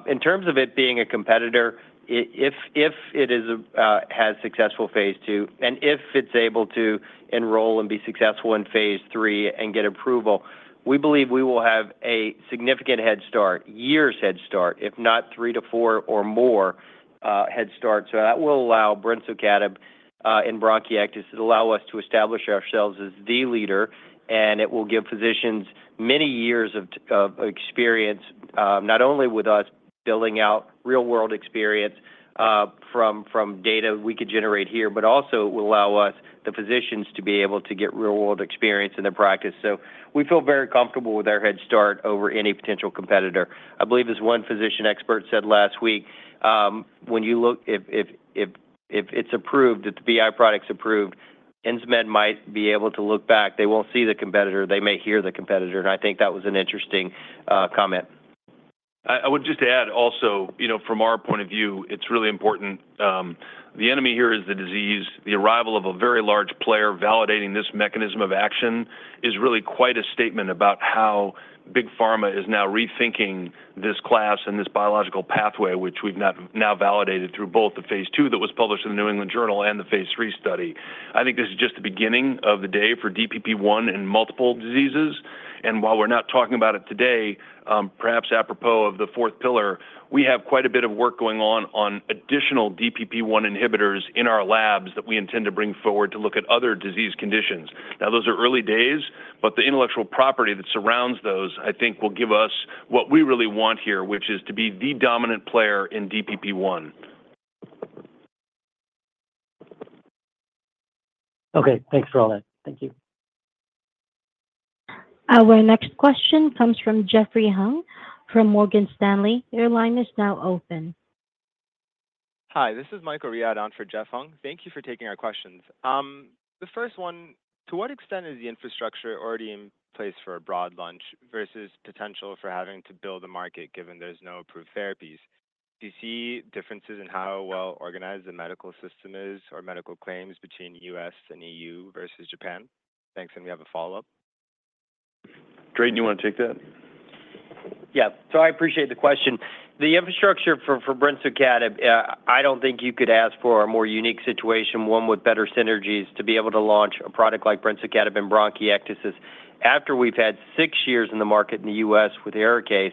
In terms of it being a competitor, if it has successful phase II, and if it's able to enroll and be successful in phase III and get approval, we believe we will have a significant head start, years head start, if not three to four or more, head start. So that will allow brensocatib in bronchiectasis, it'll allow us to establish ourselves as the leader, and it will give physicians many years of experience, not only with us, but building out real-world experience from data we could generate here, but also it will allow us, the physicians, to be able to get real-world experience in their practice. So we feel very comfortable with our head start over any potential competitor. I believe as one physician expert said last week, when you look, if it's approved, if the BI product's approved, Insmed might be able to look back. They won't see the competitor, they may hear the competitor, and I think that was an interesting comment. I would just add also, you know, from our point of view, it's really important, the enemy here is the disease. The arrival of a very large player validating this mechanism of action is really quite a statement about how big pharma is now rethinking this class and this biological pathway, which we've now validated through both the phase II that was published in the New England Journal and the phase III study. I think this is just the beginning of the day for DPP1 and multiple diseases, and while we're not talking about it today, perhaps apropos of the fourth pillar, we have quite a bit of work going on additional DPP1 inhibitors in our labs that we intend to bring forward to look at other disease conditions. Now, those are early days, but the intellectual property that surrounds those, I think, will give us what we really want here, which is to be the dominant player in DPP1. Okay, thanks for all that. Thank you. Our next question comes from Jeffrey Hung from Morgan Stanley. Your line is now open. Hi, this is Michael Riad on for Jeff Hung. Thank you for taking our questions. The first one, to what extent is the infrastructure already in place for a broad launch versus potential for having to build a market, given there's no approved therapies? Do you see differences in how well-organized the medical system is or medical claims between U.S. and EU versus Japan? Thanks, and we have a follow-up. Dray, do you wanna take that? Yeah. So I appreciate the question. The infrastructure for brensocatib, I don't think you could ask for a more unique situation, one with better synergies to be able to launch a product like brensocatib in bronchiectasis after we've had 6 years in the market in the U.S. with ARIKAYCE.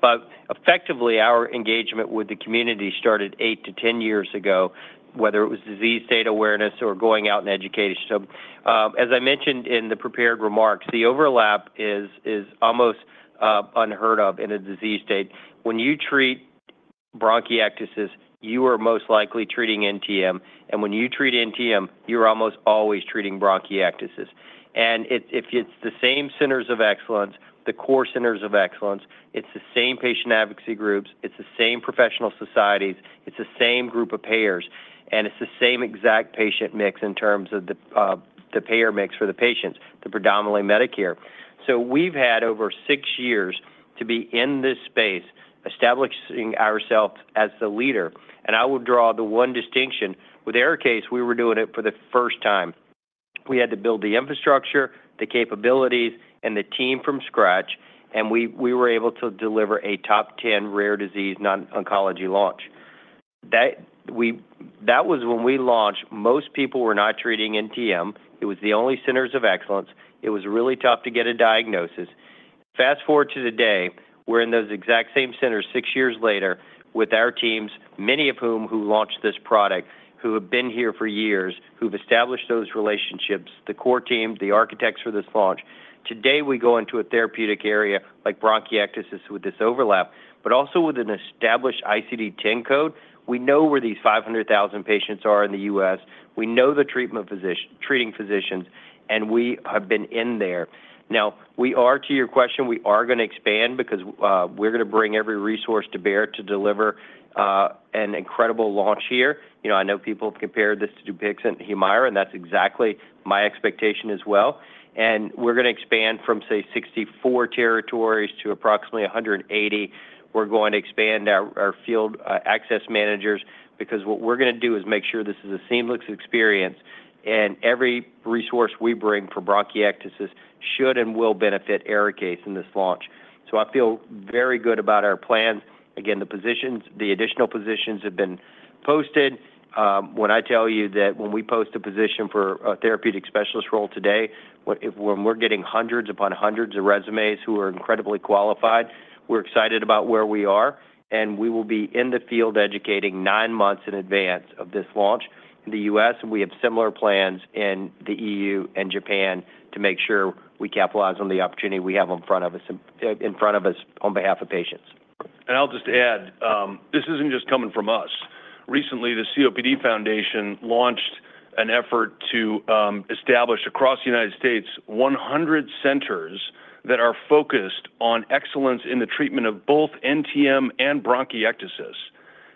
But effectively, our engagement with the community started 8-10 years ago, whether it was disease state awareness or going out and educating. So, as I mentioned in the prepared remarks, the overlap is almost unheard of in a disease state. When you treat bronchiectasis, you are most likely treating NTM, and when you treat NTM, you're almost always treating bronchiectasis. And it's the same centers of excellence, the core centers of excellence. It's the same patient advocacy groups, it's the same professional societies, it's the same group of payers, and it's the same exact patient mix in terms of the payer mix for the patients, the predominantly Medicare. So we've had over six years to be in this space, establishing ourselves as the leader, and I would draw the one distinction. With ARIKAYCE, we were doing it for the first time. We had to build the infrastructure, the capabilities, and the team from scratch, and we were able to deliver a top 10 rare disease, non-oncology launch. That was when we launched, most people were not treating NTM. It was the only centers of excellence. It was really tough to get a diagnosis. Fast-forward to today, we're in those exact same centers six years later with our teams, many of whom who launched this product, who have been here for years, who've established those relationships, the core team, the architects for this launch. Today, we go into a therapeutic area like bronchiectasis with this overlap, but also with an established ICD-10 code. We know where these 500,000 patients are in the U.S., we know the treating physicians, and we have been in there. Now, to your question, we are gonna expand because we're gonna bring every resource to bear to deliver an incredible launch here. You know, I know people have compared this to Dupixent and Humira, and that's exactly my expectation as well. And we're gonna expand from, say, 64 territories to approximately 180. We're going to expand our field access managers, because what we're gonna do is make sure this is a seamless experience, and every resource we bring for bronchiectasis should and will benefit ARIKAYCE in this launch. So I feel very good about our plan. Again, the positions, the additional positions have been posted. When I tell you that when we post a position for a therapeutic specialist role today, we're getting hundreds upon hundreds of resumes who are incredibly qualified, we're excited about where we are, and we will be in the field educating nine months in advance of this launch in the U.S., and we have similar plans in the EU and Japan to make sure we capitalize on the opportunity we have in front of us on behalf of patients. I'll just add, this isn't just coming from us. Recently, the COPD Foundation launched an effort to establish across the United States 100 centers that are focused on excellence in the treatment of both NTM and bronchiectasis.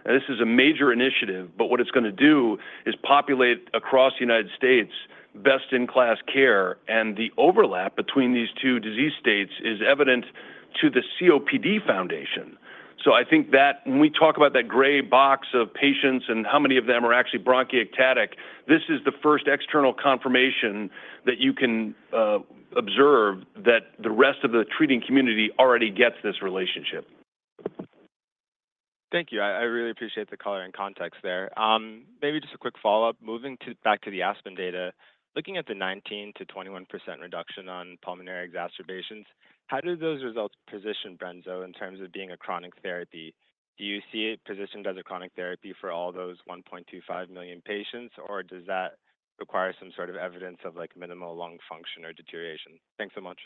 This is a major initiative, but what it's gonna do is populate across the United States best-in-class care, and the overlap between these two disease states is evident to the COPD Foundation. I think that when we talk about that gray box of patients and how many of them are actually bronchiectasis, this is the first external confirmation that you can observe that the rest of the treating community already gets this relationship. Thank you. I, I really appreciate the color and context there. Maybe just a quick follow-up. Moving to, back to the ASPEN data, looking at the 19%-21% reduction on pulmonary exacerbations, how do those results position brensocatib in terms of being a chronic therapy? Do you see it positioned as a chronic therapy for all those 1.25 million patients, or does that require some sort of evidence of, like, minimal lung function or deterioration? Thanks so much....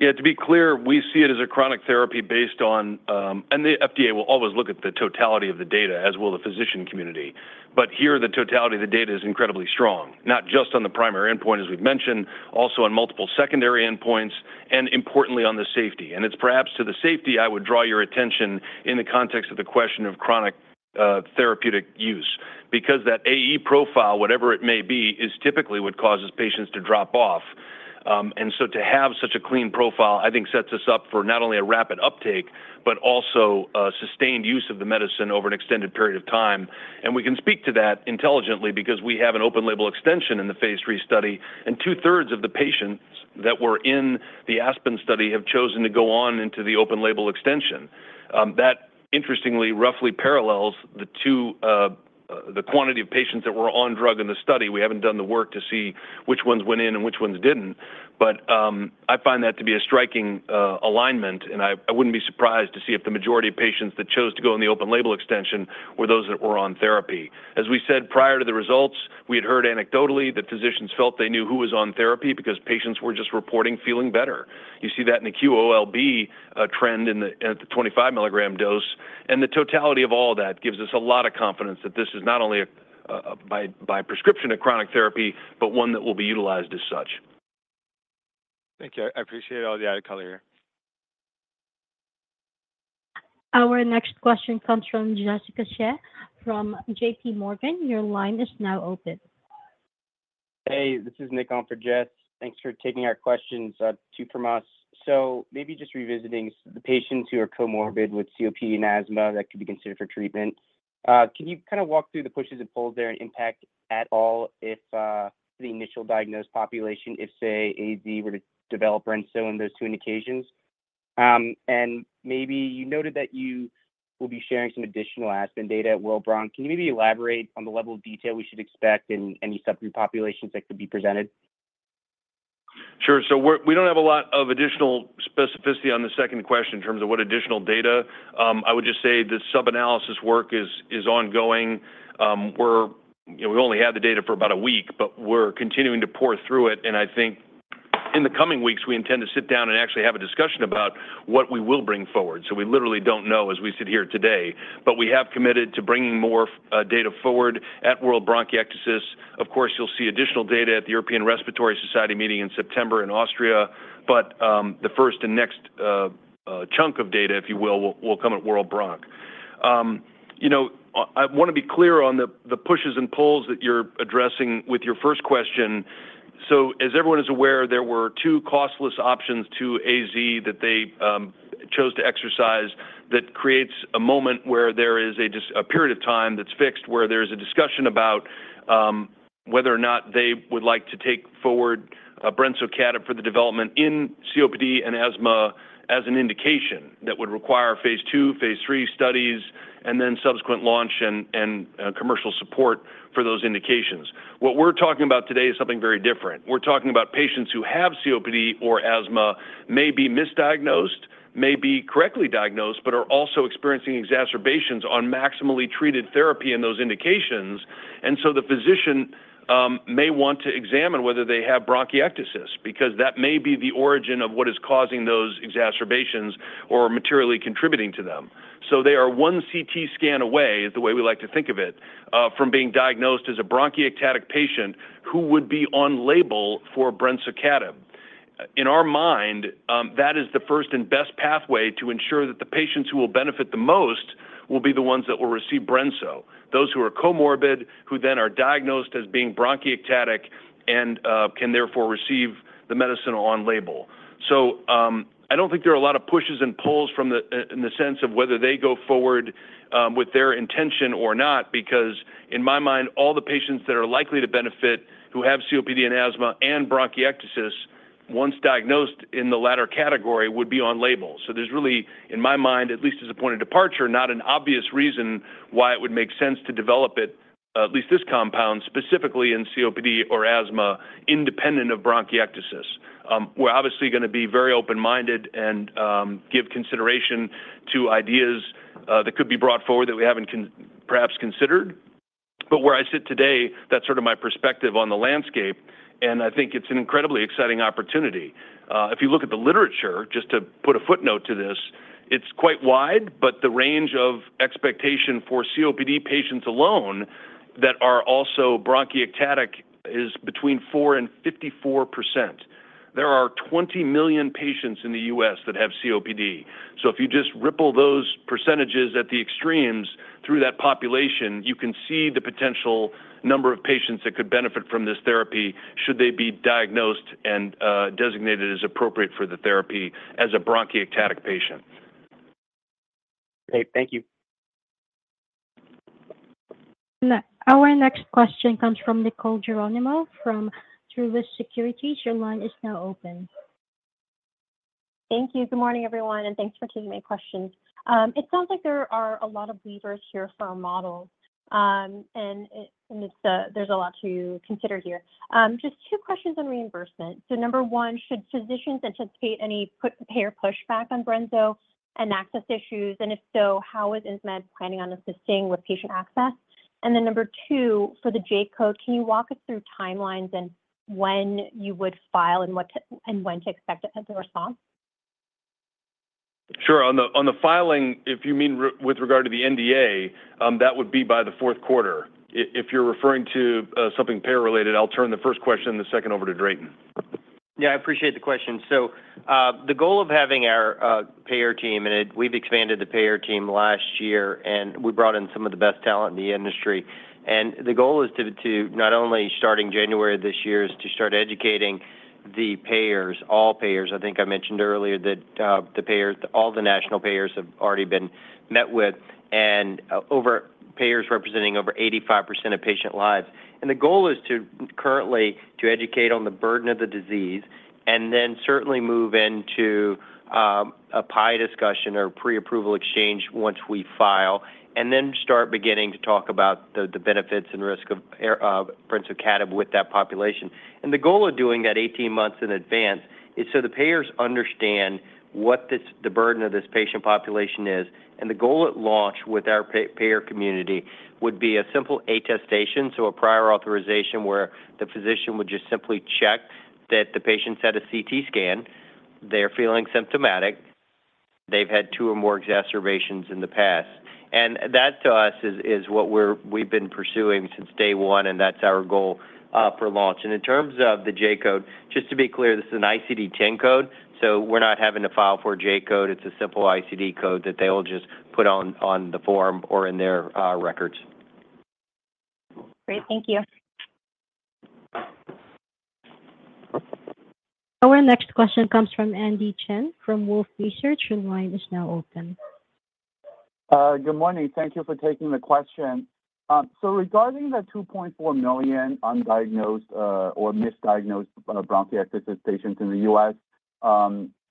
Yeah, to be clear, we see it as a chronic therapy based on, and the FDA will always look at the totality of the data, as will the physician community. But here, the totality of the data is incredibly strong, not just on the primary endpoint, as we've mentioned, also on multiple secondary endpoints, and importantly, on the safety. And it's perhaps to the safety I would draw your attention in the context of the question of chronic, therapeutic use, because that AE profile, whatever it may be, is typically what causes patients to drop off. And so to have such a clean profile, I think, sets us up for not only a rapid uptake, but also, sustained use of the medicine over an extended period of time. We can speak to that intelligently because we have an open-label extension in the phase III study, and two-thirds of the patients that were in the ASPEN study have chosen to go on into the open-label extension. That interestingly roughly parallels the two, the quantity of patients that were on drug in the study. We haven't done the work to see which ones went in and which ones didn't, but, I find that to be a striking alignment, and I wouldn't be surprised to see if the majority of patients that chose to go in the open-label extension were those that were on therapy. As we said, prior to the results, we had heard anecdotally that physicians felt they knew who was on therapy because patients were just reporting feeling better. You see that in the QOL-B trend in the at the 25 milligram dose, and the totality of all that gives us a lot of confidence that this is not only a by prescription, a chronic therapy, but one that will be utilized as such. Thank you. I appreciate all the added color here. Our next question comes from Jessica Fye from JPMorgan. Your line is now open. Hey, this is Nick on for Jess. Thanks for taking our questions, two from us. So maybe just revisiting the patients who are comorbid with COPD and asthma that could be considered for treatment. Can you kind of walk through the pushes and pulls there and impact at all if the initial diagnosed population, if, say, AZ were to develop brensocatib in those two indications? And maybe you noted that you will be sharing some additional ASPEN data at World Bronch. Can you maybe elaborate on the level of detail we should expect and any subpopulation that could be presented? Sure. So we don't have a lot of additional specificity on the second question in terms of what additional data. I would just say the sub analysis work is ongoing. We're... You know, we only had the data for about a week, but we're continuing to pore through it, and I think in the coming weeks, we intend to sit down and actually have a discussion about what we will bring forward. So we literally don't know as we sit here today, but we have committed to bringing more data forward at World Bronchiectasis. Of course, you'll see additional data at the European Respiratory Society meeting in September in Austria, but the first and next chunk of data, if you will, will come at World Bronch. You know, I want to be clear on the pushes and pulls that you're addressing with your first question. So as everyone is aware, there were two costless options to AZ that they chose to exercise that creates a moment where there is just a period of time that's fixed, where there's a discussion about whether or not they would like to take forward bbensocatib for the development in COPD and asthma as an indication that would require phase II, phase III studies, and then subsequent launch and commercial support for those indications. What we're talking about today is something very different. We're talking about patients who have COPD or asthma, may be misdiagnosed, may be correctly diagnosed, but are also experiencing exacerbations on maximally treated therapy in those indications. The physician may want to examine whether they have bronchiectasis because that may be the origin of what is causing those exacerbations or materially contributing to them. They are one CT scan away, is the way we like to think of it, from being diagnosed as a bronchiectasis patient who would be on label for brensocatib. In our mind, that is the first and best pathway to ensure that the patients who will benefit the most will be the ones that will receive brensocatib, those who are comorbid, who then are diagnosed as being bronchiectasis and can therefore receive the medicine on label. So, I don't think there are a lot of pushes and pulls from the, in the sense of whether they go forward, with their intention or not, because in my mind, all the patients that are likely to benefit who have COPD and asthma and bronchiectasis, once diagnosed in the latter category, would be on label. So there's really, in my mind, at least as a point of departure, not an obvious reason why it would make sense to develop it, at least this compound, specifically in COPD or asthma, independent of bronchiectasis. We're obviously gonna be very open-minded and, give consideration to ideas, that could be brought forward that we haven't perhaps considered. But where I sit today, that's sort of my perspective on the landscape, and I think it's an incredibly exciting opportunity. If you look at the literature, just to put a footnote to this, it's quite wide, but the range of expectation for COPD patients alone that are also bronchiectasis is between 4% and 54%. There are 20 million patients in the U.S. that have COPD. So if you just ripple those percentages at the extremes through that population, you can see the potential number of patients that could benefit from this therapy should they be diagnosed and designated as appropriate for the therapy as a bronchiectasis patient. Great. Thank you. Our next question comes from Nicole Germino from Truist Securities. Your line is now open. Thank you. Good morning, everyone, and thanks for taking my questions. It sounds like there are a lot of levers here for our model, and it's, there's a lot to consider here. Just two questions on reimbursement. So number 1, should physicians anticipate any payor pushback on brensocatib and access issues? And if so, how is Insmed planning on assisting with patient access? And then number 2, for the J-code, can you walk us through timelines and when you would file and what to- and when to expect a potential response?... Sure. On the filing, if you mean with regard to the NDA, that would be by the fourth quarter. If you're referring to something payer-related, I'll turn the first question and the second over to Drayton. Yeah, I appreciate the question. So, the goal of having our payer team, and we've expanded the payer team last year, and we brought in some of the best talent in the industry. And the goal is to not only starting January this year, is to start educating the payers, all payers. I think I mentioned earlier that the payers, all the national payers have already been met with and our payers representing over 85% of patient lives. And the goal is currently to educate on the burden of the disease and then certainly move into a payer discussion or pre-approval exchange once we file, and then start beginning to talk about the benefits and risk of brensocatib with that population. The goal of doing that 18 months in advance is so the payers understand what this, the burden of this patient population is. The goal at launch with our payer community would be a simple attestation, so a prior authorization where the physician would just simply check that the patients had a CT scan, they're feeling symptomatic, they've had two or more exacerbations in the past. And that, to us, is what we've been pursuing since day one, and that's our goal for launch. In terms of the J-code, just to be clear, this is an ICD-10 code, so we're not having to file for a J-code. It's a simple ICD code that they will just put on the form or in their records. Great. Thank you. Our next question comes from Andy Chen from Wolfe Research, your line is now open. Good morning. Thank you for taking the question. So regarding the 2.4 million undiagnosed or misdiagnosed bronchiectasis patients in the U.S.,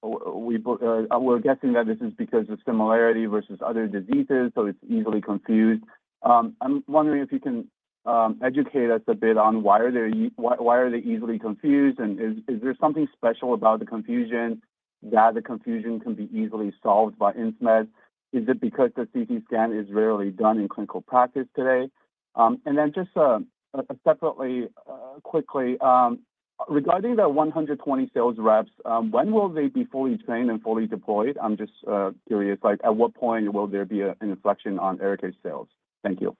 we're guessing that this is because of similarity versus other diseases, so it's easily confused. I'm wondering if you can educate us a bit on why they are easily confused, and is there something special about the confusion that the confusion can be easily solved by Insmed? Is it because the CT scan is rarely done in clinical practice today? And then just separately, quickly, regarding the 120 sales reps, when will they be fully trained and fully deployed? I'm just curious, like, at what point will there be an inflection on ARIKAYCE sales? Thank you.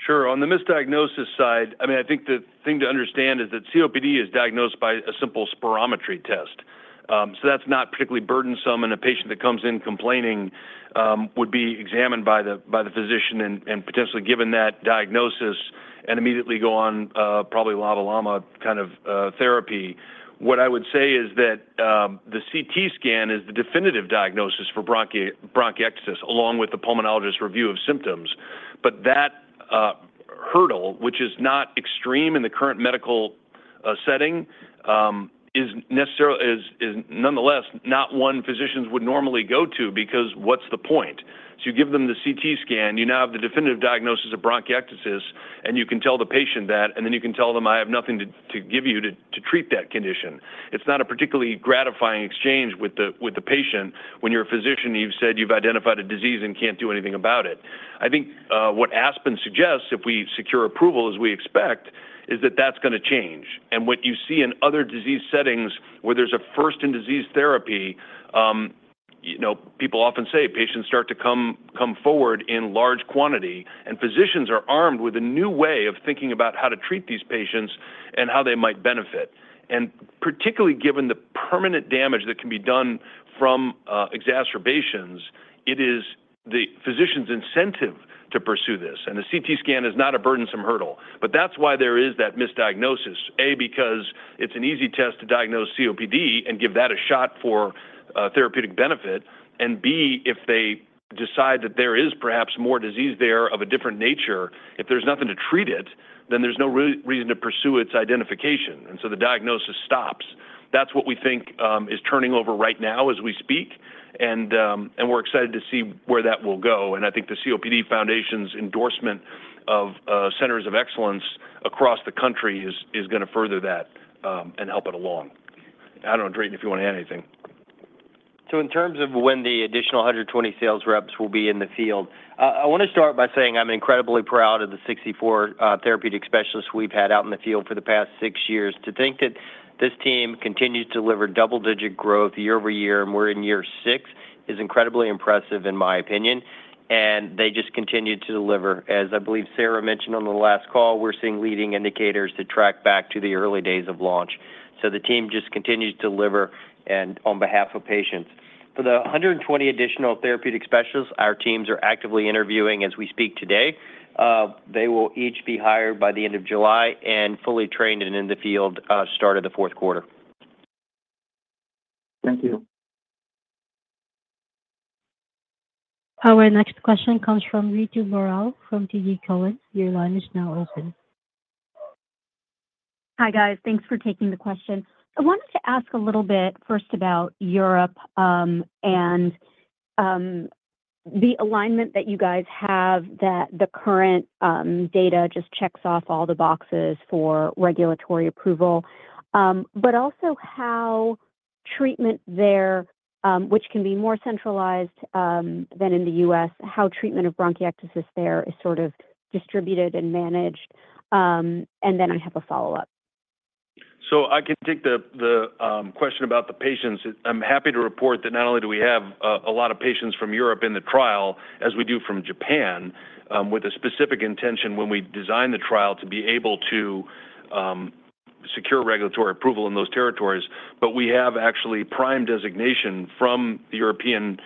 Sure. On the misdiagnosis side, I mean, I think the thing to understand is that COPD is diagnosed by a simple spirometry test. So that's not particularly burdensome, and a patient that comes in complaining would be examined by the physician and potentially given that diagnosis and immediately go on probably LAMA kind of therapy. What I would say is that the CT scan is the definitive diagnosis for bronchiectasis, along with the pulmonologist review of symptoms. But that hurdle, which is not extreme in the current medical setting, is necessarily... It is nonetheless not one physicians would normally go to because what's the point? So you give them the CT scan, you now have the definitive diagnosis of bronchiectasis, and you can tell the patient that, and then you can tell them, "I have nothing to give you to treat that condition." It's not a particularly gratifying exchange with the patient when you're a physician, and you've said you've identified a disease and can't do anything about it. I think what ASPEN suggests, if we secure approval, as we expect, is that that's gonna change. And what you see in other disease settings where there's a first-in-disease therapy, you know, people often say patients start to come forward in large quantity, and physicians are armed with a new way of thinking about how to treat these patients and how they might benefit. Particularly given the permanent damage that can be done from exacerbations, it is the physician's incentive to pursue this. The CT scan is not a burdensome hurdle, but that's why there is that misdiagnosis. A, because it's an easy test to diagnose COPD and give that a shot for therapeutic benefit. And B, if they decide that there is perhaps more disease there of a different nature, if there's nothing to treat it, then there's no reason to pursue its identification, and so the diagnosis stops. That's what we think is turning over right now as we speak, and we're excited to see where that will go. I think the COPD Foundation's endorsement of centers of excellence across the country is gonna further that, and help it along. I don't know, Drayton, if you want to add anything. So in terms of when the additional 120 sales reps will be in the field, I wanna start by saying I'm incredibly proud of the 64 therapeutic specialists we've had out in the field for the past 6 years. To think that this team continued to deliver double-digit growth year-over-year, and we're in year 6, is incredibly impressive in my opinion, and they just continued to deliver. As I believe Sara mentioned on the last call, we're seeing leading indicators to track back to the early days of launch. So the team just continued to deliver and on behalf of patients. For the 120 additional therapeutic specialists, our teams are actively interviewing as we speak today. They will each be hired by the end of July and fully trained and in the field, start of the fourth quarter. Thank you. Our next question comes from Ritu Baral from TD Cowen. Your line is now open. Hi, guys. Thanks for taking the question. I wanted to ask a little bit first about Europe, and the alignment that you guys have that the current data just checks off all the boxes for regulatory approval, but also how treatment there, which can be more centralized than in the U.S., how treatment of bronchiectasis there is sort of distributed and managed. And then I have a follow-up. So I can take the question about the patients. I'm happy to report that not only do we have a lot of patients from Europe in the trial, as we do from Japan, with a specific intention when we designed the trial to be able to secure regulatory approval in those territories, but we have actually PRIME designation from the European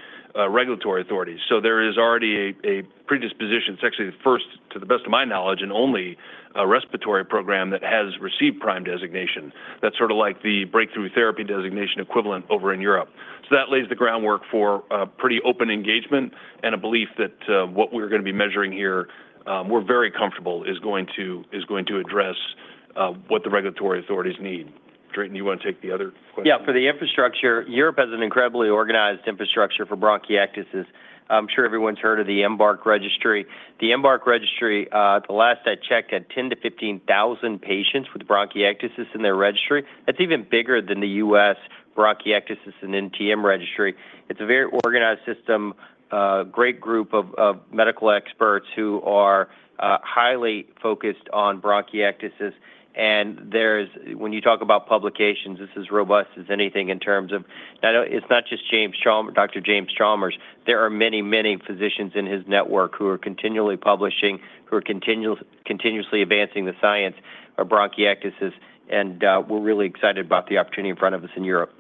regulatory authorities. So there is already a predisposition. It's actually the first, to the best of my knowledge, and only respiratory program that has received prime designation. That's sort of like the breakthrough therapy designation equivalent over in Europe. So that lays the groundwork for a pretty open engagement and a belief that what we're gonna be measuring here, we're very comfortable is going to address what the regulatory authorities need. Drayton, do you want to take the other question? Yeah. For the infrastructure, Europe has an incredibly organized infrastructure for bronchiectasis. I'm sure everyone's heard of the EMBARC Registry. The EMBARC Registry, the last I checked, had 10-15,000 patients with bronchiectasis in their registry. That's even bigger than the US bronchiectasis and NTM registry. It's a very organized system, a great group of medical experts who are highly focused on bronchiectasis. And there's when you talk about publications, this is robust as anything in terms of. I know it's not just James Chalmers, Dr. James Chalmers, there are many, many physicians in his network who are continually publishing, who are continuously advancing the science of bronchiectasis, and we're really excited about the opportunity in front of us in Europe.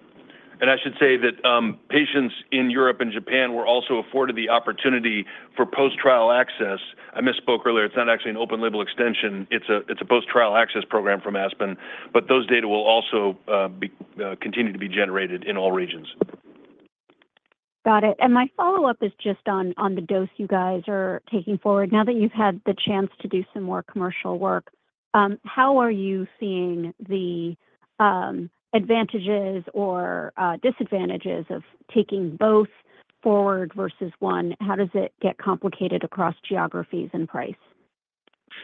I should say that patients in Europe and Japan were also afforded the opportunity for post-trial access. I misspoke earlier. It's not actually an open-label extension, it's a post-trial access program from ASPEN, but those data will also continue to be generated in all regions. Got it. My follow-up is just on the dose you guys are taking forward. Now that you've had the chance to do some more commercial work, how are you seeing the advantages or disadvantages of taking both forward versus one? How does it get complicated across geographies and price?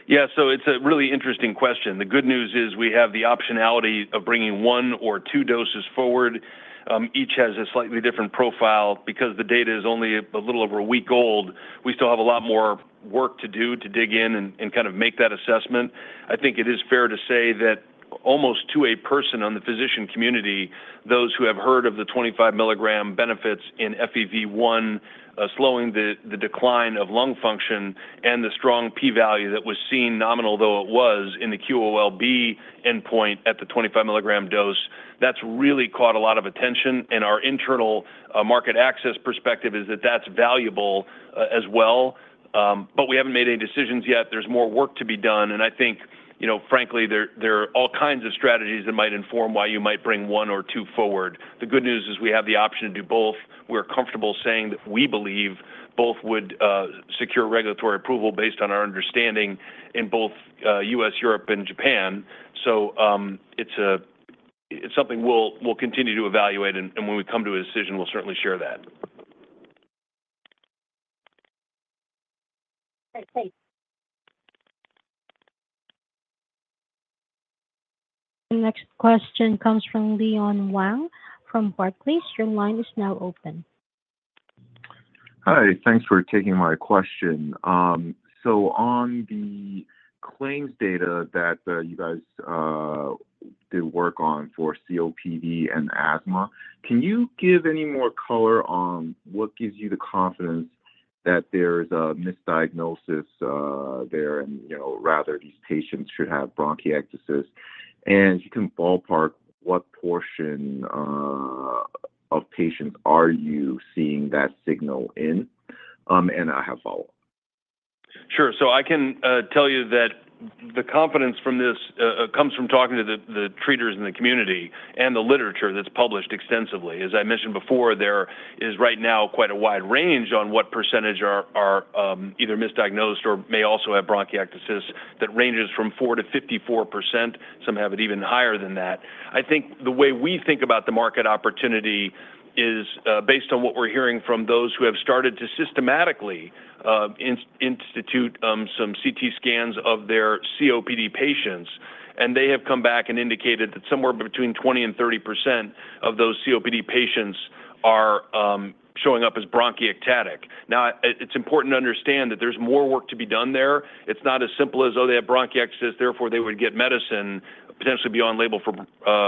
Yeah, so it's a really interesting question. The good news is we have the optionality of bringing one or two doses forward. Each has a slightly different profile. Because the data is only a little over a week old, we still have a lot more work to do to dig in and kind of make that assessment. I think it is fair to say that almost to a person on the physician community, those who have heard of the 25 milligram benefits in FEV1, slowing the decline of lung function and the strong p-value that was seen, nominal though it was, in the QOL-B endpoint at the 25 milligram dose, that's really caught a lot of attention, and our internal market access perspective is that that's valuable as well. But we haven't made any decisions yet. There's more work to be done, and I think, you know, frankly, there are all kinds of strategies that might inform why you might bring one or two forward. The good news is we have the option to do both. We're comfortable saying that we believe both would secure regulatory approval based on our understanding in both U.S., Europe, and Japan. So, it's something we'll continue to evaluate, and when we come to a decision, we'll certainly share that. Okay, thanks. The next question comes from Leon Wang from Barclays. Your line is now open. Hi, thanks for taking my question. So on the claims data that you guys did work on for COPD and asthma, can you give any more color on what gives you the confidence that there's a misdiagnosis there, and, you know, rather these patients should have bronchiectasis? And if you can ballpark, what portion of patients are you seeing that signal in? And I have follow-up. Sure. So I can tell you that the confidence from this comes from talking to the treaters in the community and the literature that's published extensively. As I mentioned before, there is right now quite a wide range on what percentage are either misdiagnosed or may also have bronchiectasis. That ranges from 4%-54%. Some have it even higher than that. I think the way we think about the market opportunity is based on what we're hearing from those who have started to systematically institute some CT scans of their COPD patients, and they have come back and indicated that somewhere between 20% and 30% of those COPD patients are showing up as bronchiectasis. Now, it's important to understand that there's more work to be done there. It's not as simple as, oh, they have bronchiectasis, therefore, they would get medicine potentially beyond label for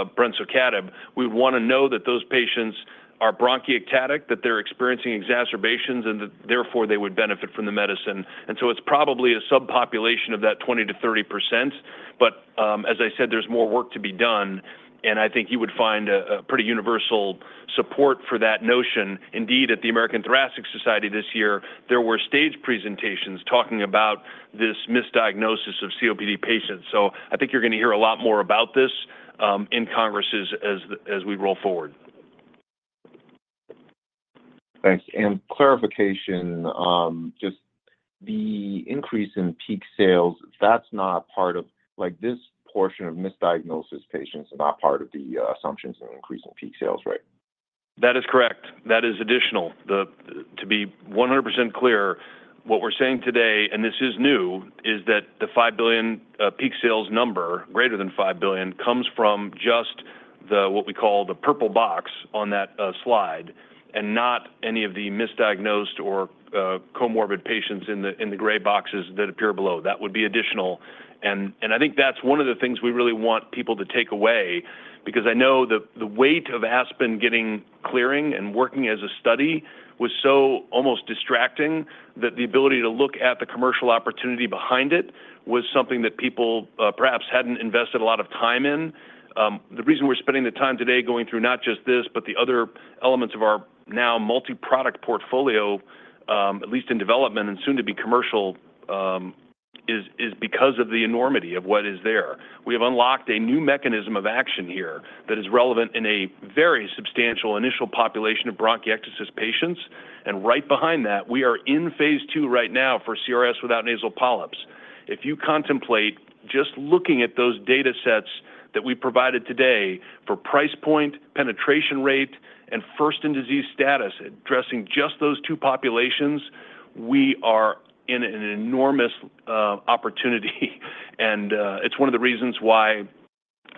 brensocatib. We'd wanna know that those patients are bronchiectasis, that they're experiencing exacerbations, and that therefore, they would benefit from the medicine. And so it's probably a subpopulation of that 20%-30%, but as I said, there's more work to be done, and I think you would find a pretty universal support for that notion. Indeed, at the American Thoracic Society this year, there were stage presentations talking about this misdiagnosis of COPD patients, so I think you're gonna hear a lot more about this in congresses as we roll forward. Thanks. Clarification, just the increase in peak sales, that's not part of... Like, this portion of misdiagnosis patients are not part of the, assumptions in increasing peak sales, right? That is correct. That is additional. To be 100% clear, what we're saying today, and this is new, is that the $5 billion peak sales number, greater than $5 billion, comes from just the what we call the purple box on that slide, and not any of the misdiagnosed or comorbid patients in the gray boxes that appear below. That would be additional, and, and I think that's one of the things we really want people to take away because I know the weight of ASPEN getting clearance and working as a study was so almost distracting, that the ability to look at the commercial opportunity behind it was something that people perhaps hadn't invested a lot of time in. The reason we're spending the time today going through not just this, but the other elements of our now multi-product portfolio, at least in development and soon to be commercial, is because of the enormity of what is there. We have unlocked a new mechanism of action here that is relevant in a very substantial initial population of bronchiectasis patients, and right behind that, we are in phase II right now for CRS without nasal polyps. If you contemplate just looking at those datasets that we provided today for price point, penetration rate, and first-in-disease status, addressing just those two populations, we are in an enormous opportunity, and it's one of the reasons why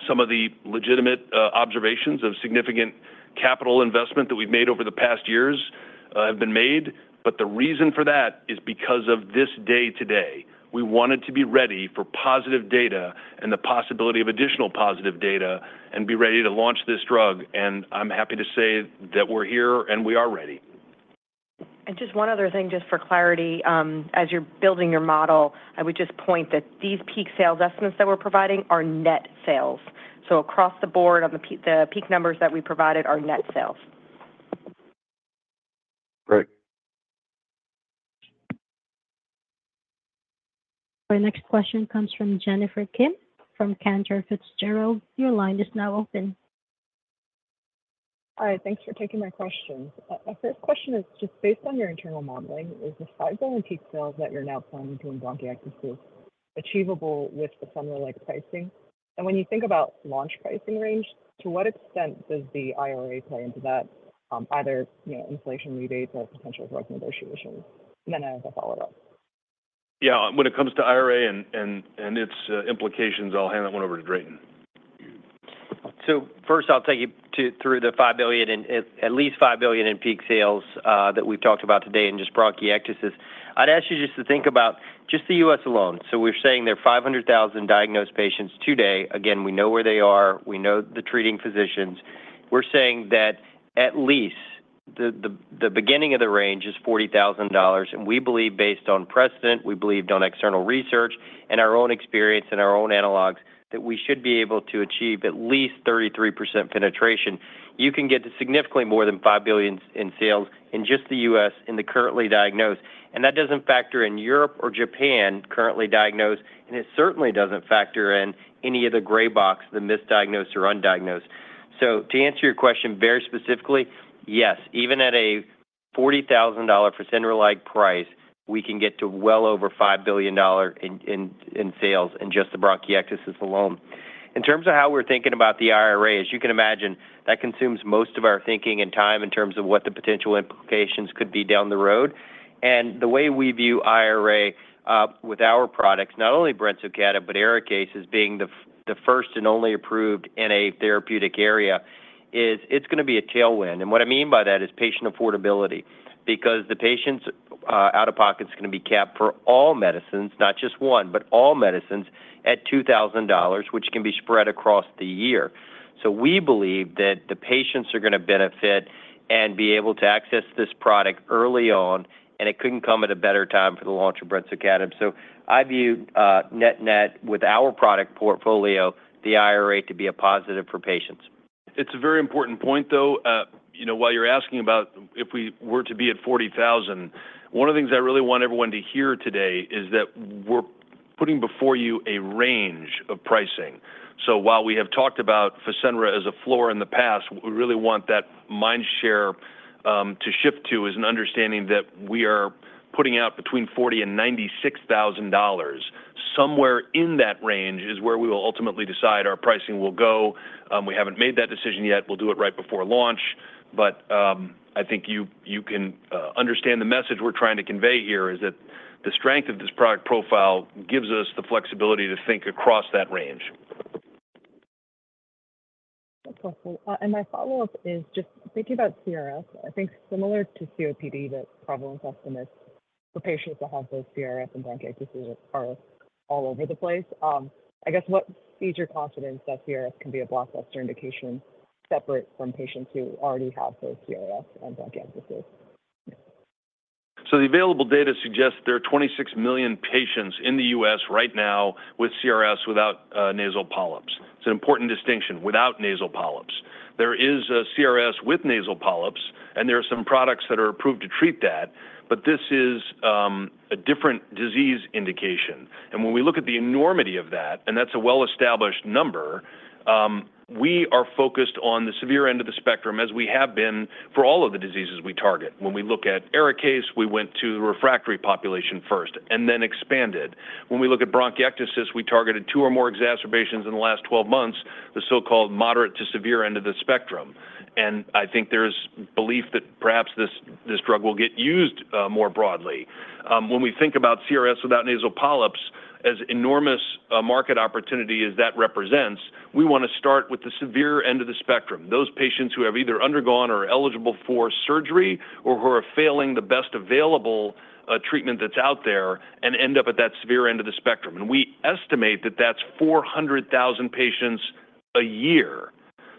some of the legitimate observations of significant capital investment that we've made over the past years have been made. The reason for that is because of this day today. We wanted to be ready for positive data and the possibility of additional positive data and be ready to launch this drug, and I'm happy to say that we're here, and we are ready. Just one other thing, just for clarity. As you're building your model, I would just point that these peak sales estimates that we're providing are net sales. So across the board, on the peak numbers that we provided are net sales. Great. Our next question comes from Jennifer Kim from Cantor Fitzgerald. Your line is now open. Hi, thanks for taking my questions. My first question is just based on your internal modeling, is the $5 billion peak sales that you're now planning to in bronchiectasis achievable with the similar pricing? And when you think about launch pricing range, to what extent does the IRA play into that, either, you know, inflation rebates or potential drug negotiations? And then I have a follow-up. Yeah, when it comes to IRA and its implications, I'll hand that one over to Drayton. So first, I'll take you through the $5 billion and at least $5 billion in peak sales that we've talked about today in just bronchiectasis. I'd ask you just to think about just the U.S. alone. So we're saying there are 500,000 diagnosed patients today. Again, we know where they are. We know the treating physicians. We're saying that at least the beginning of the range is $40,000, and we believe based on precedent, we believe on external research and our own experience and our own analogs, that we should be able to achieve at least 33% penetration. You can get to significantly more than $5 billion in sales in just the U.S. in the currently diagnosed, and that doesn't factor in Europe or Japan currently diagnosed, and it certainly doesn't factor in any of the gray box, the misdiagnosed or undiagnosed. So to answer your question very specifically, yes, even at a $40,000 center-like price, we can get to well over $5 billion in sales in just the bronchiectasis alone. In terms of how we're thinking about the IRA, as you can imagine, that consumes most of our thinking and time in terms of what the potential implications could be down the road. And the way we view IRA with our products, not only brensocatib, but ARIKAYCE, as being the first and only approved in a therapeutic area, is it's gonna be a tailwind. What I mean by that is patient affordability, because the patient's out-of-pocket is gonna be capped for all medicines, not just one, but all medicines at $2,000, which can be spread across the year. So we believe that the patients are gonna benefit and be able to access this product early on, and it couldn't come at a better time for the launch of brensocatib. So I view net net with our product portfolio, the IRA to be a positive for patients. It's a very important point, though. You know, while you're asking about if we were to be at $40,000, one of the things I really want everyone to hear today is that we're putting before you a range of pricing. So while we have talked about Fasenra as a floor in the past, we really want that mind share, to shift to, is an understanding that we are putting out between $40,000 and $96,000. Somewhere in that range is where we will ultimately decide our pricing will go. We haven't made that decision yet. We'll do it right before launch, but, I think you can understand the message we're trying to convey here, is that the strength of this product profile gives us the flexibility to think across that range. That's helpful. My follow-up is just thinking about CRS. I think similar to COPD, the prevalence estimates for patients that have both CRS and bronchiectasis are all over the place. I guess what feeds your confidence that CRS can be a blockbuster indication separate from patients who already have both CRS and bronchiectasis? So the available data suggests there are 26 million patients in the U.S. right now with CRS without nasal polyps. It's an important distinction, without nasal polyps. There is a CRS with nasal polyps, and there are some products that are approved to treat that, but this is a different disease indication. And when we look at the enormity of that, and that's a well-established number, we are focused on the severe end of the spectrum, as we have been for all of the diseases we target. When we look at ARIKAYCE, we went to the refractory population first and then expanded. When we looked at bronchiectasis, we targeted two or more exacerbations in the last 12 months, the so-called moderate to severe end of the spectrum. And I think there's belief that perhaps this drug will get used more broadly. When we think about CRS without nasal polyps as enormous a market opportunity as that represents, we want to start with the severe end of the spectrum. Those patients who have either undergone or are eligible for surgery or who are failing the best available treatment that's out there and end up at that severe end of the spectrum. And we estimate that that's 400,000 patients a year.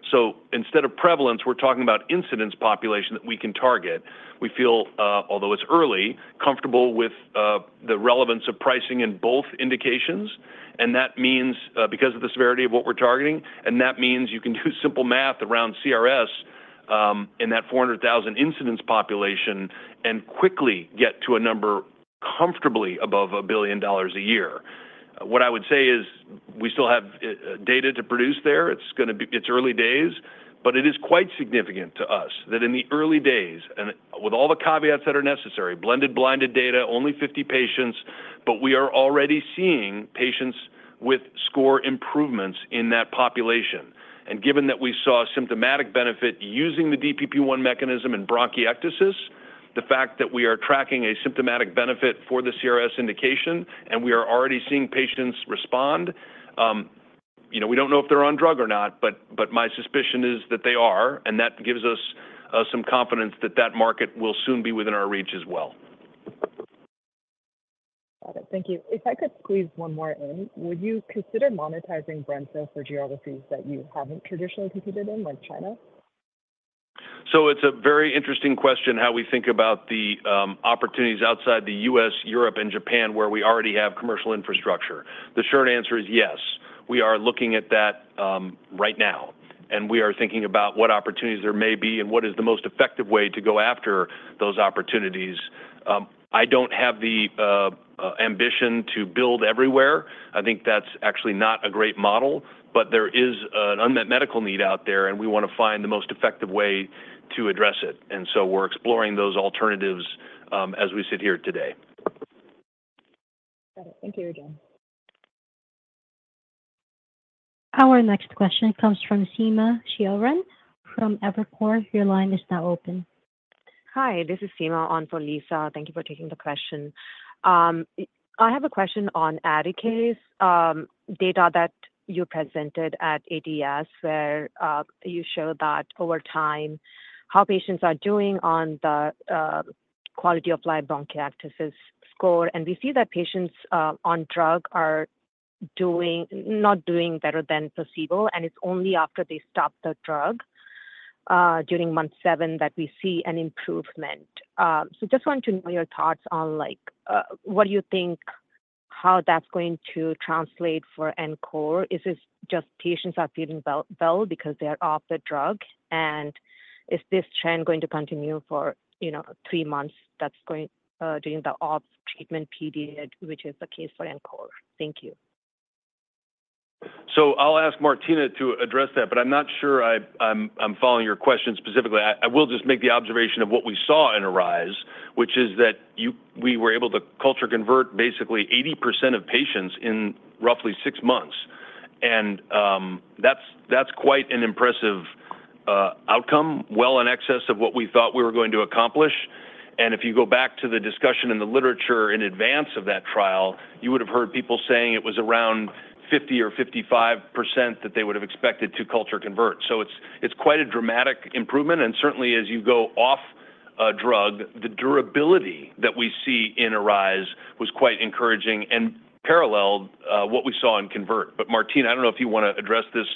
So instead of prevalence, we're talking about incidence population that we can target. We feel, although it's early, comfortable with the relevance of pricing in both indications, and that means because of the severity of what we're targeting, and that means you can do simple math around CRS in that 400,000 incidence population and quickly get to a number comfortably above $1 billion a year. What I would say is we still have data to produce there. It's gonna be early days, but it is quite significant to us that in the early days, and with all the caveats that are necessary, blended, blinded data, only 50 patients, but we are already seeing patients with score improvements in that population. And given that we saw a symptomatic benefit using the DPP1 mechanism in bronchiectasis, the fact that we are tracking a symptomatic benefit for the CRS indication, and we are already seeing patients respond, you know, we don't know if they're on drug or not, but my suspicion is that they are, and that gives us some confidence that that market will soon be within our reach as well. Got it. Thank you. If I could squeeze one more in, would you consider monetizing brensocatib for geographies that you haven't traditionally competed in, like China? It's a very interesting question, how we think about the opportunities outside the U.S., Europe, and Japan, where we already have commercial infrastructure. The short answer is yes. We are looking at that right now, and we are thinking about what opportunities there may be and what is the most effective way to go after those opportunities. I don't have the ambition to build everywhere. I think that's actually not a great model, but there is an unmet medical need out there, and we want to find the most effective way to address it. So we're exploring those alternatives as we sit here today. Got it. Thank you again. Our next question comes from Seema Sheoran from Evercore. Your line is now open. Hi, this is Seema on for Lisa. Thank you for taking the question. I have a question on ARISE data that you presented at ATS, where you show that over time, how patients are doing on the quality of life bronchiectasis score, and we see that patients on drug are doing... not doing better than placebo, and it's only after they stop the drug during month seven that we see an improvement. So just want to know your thoughts on, like, what you think, how that's going to translate for ENCORE. Is this just patients are feeling well because they are off the drug? And is this trend going to continue for, you know, three months that's going during the off-treatment period, which is the case for ENCORE? Thank you. So I'll ask Martina to address that, but I'm not sure I'm following your question specifically. I will just make the observation of what we saw in ARISE, which is that we were able to culture convert basically 80% of patients in roughly six months, and that's quite an impressive outcome, well in excess of what we thought we were going to accomplish. And if you go back to the discussion in the literature in advance of that trial, you would have heard people saying it was around 50 or 55% that they would have expected to culture convert. So it's quite a dramatic improvement, and certainly as you go off a drug, the durability that we see in ARISE was quite encouraging and paralleled what we saw in CONVERT. But Martina, I don't know if you want to address this,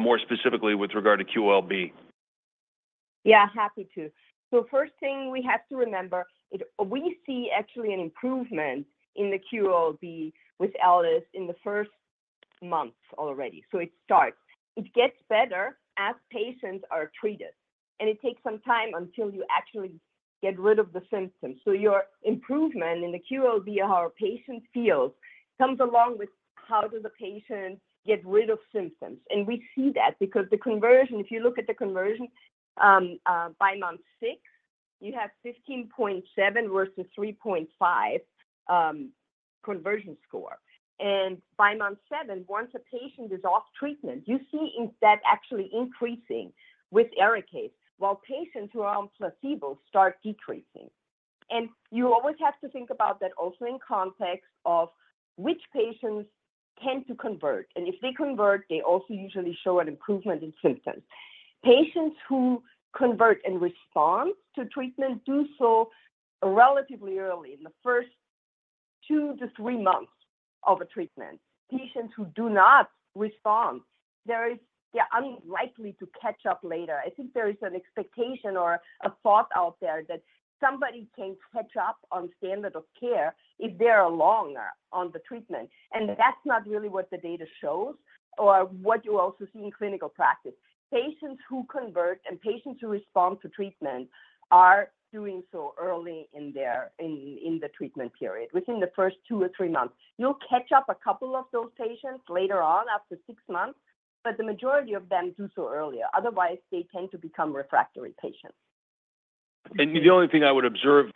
more specifically with regard to QOL-B. Yeah, happy to. So first thing we have to remember is we see actually an improvement in the QOL-B with ALIS in the first month already. So it starts. It gets better as patients are treated, and it takes some time until you actually get rid of the symptoms. So your improvement in the QOL-B, how a patient feels, comes along with how does the patient get rid of symptoms? And we see that because the conversion, if you look at the conversion, by month six, you have 15.7 versus 3.5 conversion score. And by month seven, once a patient is off treatment, you see that actually increasing with ARISE, while patients who are on placebo start decreasing. You always have to think about that also in context of which patients tend to convert, and if they convert, they also usually show an improvement in symptoms. Patients who convert in response to treatment do so relatively early, in the first two to three months of a treatment. Patients who do not respond, there is... They're unlikely to catch up later. I think there is an expectation or a thought out there that somebody can catch up on standard of care if they are longer on the treatment, and that's not really what the data shows or what you also see in clinical practice. Patients who convert and patients who respond to treatment are doing so early in their treatment period, within the first two or three months. You'll catch up a couple of those patients later on, after six months, but the majority of them do so earlier. Otherwise, they tend to become refractory patients. The only thing I would observe,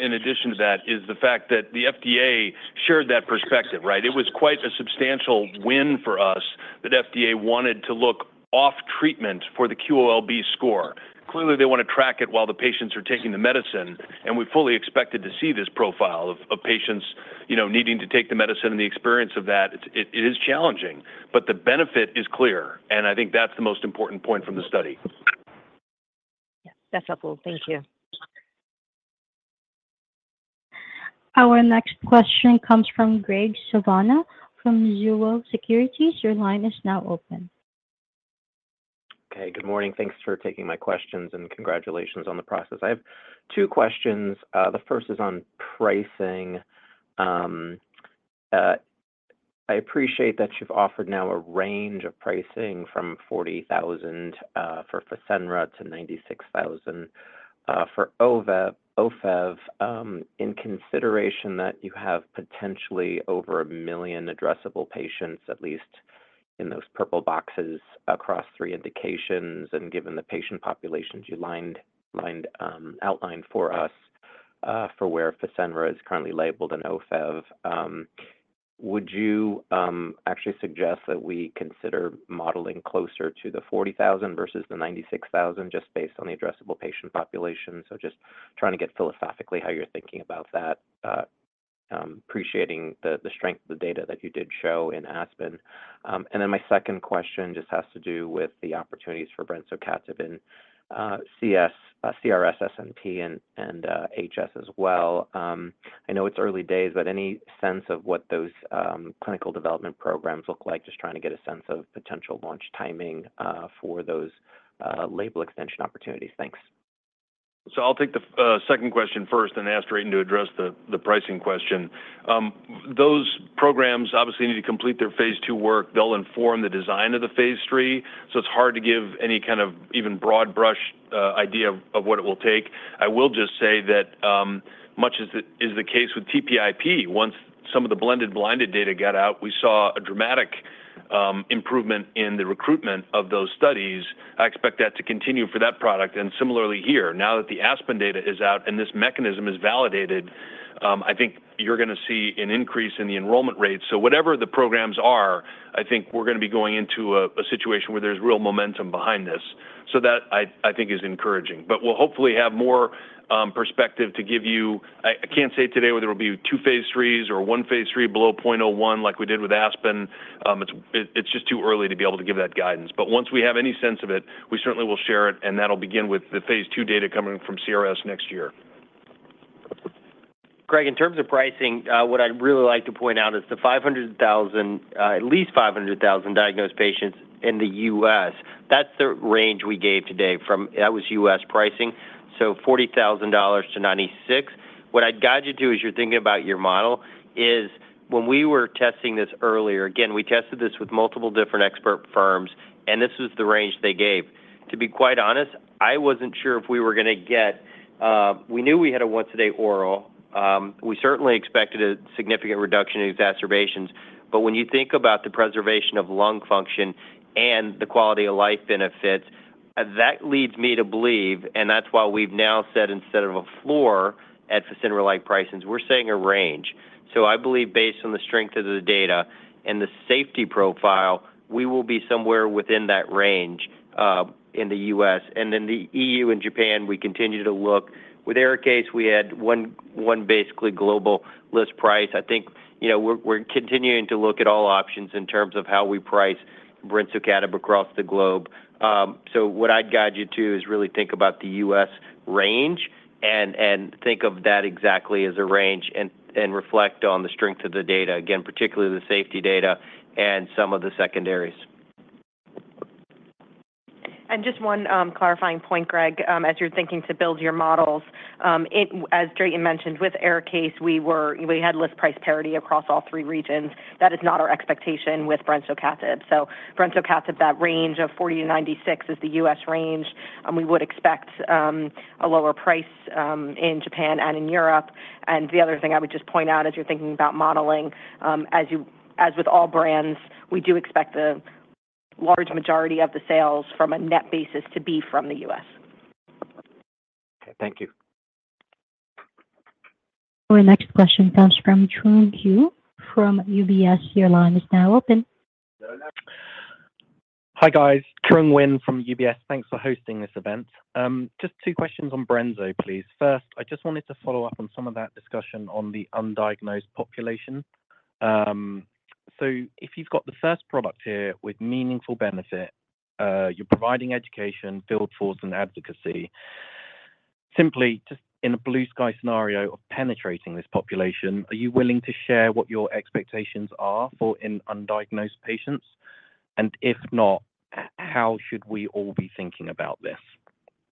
in addition to that is the fact that the FDA shared that perspective, right? It was quite a substantial win for us that FDA wanted to look off treatment for the QOL-B score... Clearly, they want to track it while the patients are taking the medicine, and we fully expected to see this profile of patients, you know, needing to take the medicine and the experience of that. It is challenging, but the benefit is clear, and I think that's the most important point from the study. Yeah, that's helpful. Thank you. Our next question comes from Graig Suvannavejh from Mizuho Securities. Your line is now open. Okay, good morning. Thanks for taking my questions, and congratulations on the process. I have two questions. The first is on pricing. I appreciate that you've offered now a range of pricing from $40,000 for Fasenra to $96,000 for Ofev. In consideration that you have potentially over 1 million addressable patients, at least in those purple boxes across three indications, and given the patient populations you outlined for us for where Fasenra is currently labeled in Ofev, would you actually suggest that we consider modeling closer to the $40,000 versus the $96,000, just based on the addressable patient population? So just trying to get philosophically how you're thinking about that, appreciating the strength of the data that you did show in ASPEN. And then my second question just has to do with the opportunities for brensocatib in CRSsNP, and HS as well. I know it's early days, but any sense of what those clinical development programs look like? Just trying to get a sense of potential launch timing for those label extension opportunities. Thanks. So I'll take the second question first, and then ask Drayton to address the pricing question. Those programs obviously need to complete their phase II work. They'll inform the design of the phase III, so it's hard to give any kind of even broad brush idea of what it will take. I will just say that, much as it is the case with TPIP, once some of the blended blinded data got out, we saw a dramatic improvement in the recruitment of those studies. I expect that to continue for that product and similarly here. Now that the ASPEN data is out and this mechanism is validated, I think you're gonna see an increase in the enrollment rates. So whatever the programs are, I think we're gonna be going into a situation where there's real momentum behind this. So that, I think is encouraging. But we'll hopefully have more perspective to give you... I can't say today whether it'll be two phase IIIs or one phase III below 0.01 like we did with ASPEN. It's just too early to be able to give that guidance. But once we have any sense of it, we certainly will share it, and that'll begin with the phase II data coming from CRS next year. Graig, in terms of pricing, what I'd really like to point out is the 500,000, at least 500,000 diagnosed patients in the U.S. That's the range we gave today from... That was U.S. pricing, so $40,000-$96,000. What I'd guide you to as you're thinking about your model is when we were testing this earlier, again, we tested this with multiple different expert firms, and this is the range they gave. To be quite honest, I wasn't sure if we were gonna get- We knew we had a once-a-day oral. We certainly expected a significant reduction in exacerbations, but when you think about the preservation of lung function and the quality of life benefits, that leads me to believe, and that's why we've now said, instead of a floor at Fasenra-like pricings, we're saying a range. So I believe based on the strength of the data and the safety profile, we will be somewhere within that range, in the U.S. And then the EU and Japan, we continue to look. With ARIKAYCE, we had one, one basically global list price. I think, you know, we're, we're continuing to look at all options in terms of how we price brensocatib across the globe. So what I'd guide you to is really think about the U.S. range and, and think of that exactly as a range and, and reflect on the strength of the data, again, particularly the safety data and some of the secondaries. Just one clarifying point, Graig, as you're thinking to build your models. As Drayton mentioned, with ARIKAYCE, we had list price parity across all three regions. That is not our expectation with brensocatib. So brensocatib, that range of $40,000-$96,000, is the U.S. range, and we would expect a lower price in Japan and in Europe. And the other thing I would just point out as you're thinking about modeling, as with all brands, we do expect the large majority of the sales from a net basis to be from the U.S. Okay, thank you. Our next question comes from Truong Huynh from UBS. Your line is now open. Hi, guys. Trung Huynh from UBS. Thanks for hosting this event. Just two questions on Brenzo, please. First, I just wanted to follow up on some of that discussion on the undiagnosed population. So if you've got the first product here with meaningful benefit, you're providing education, build force, and advocacy, simply just in a blue-sky scenario of penetrating this population, are you willing to share what your expectations are for in undiagnosed patients? And if not, how should we all be thinking about this?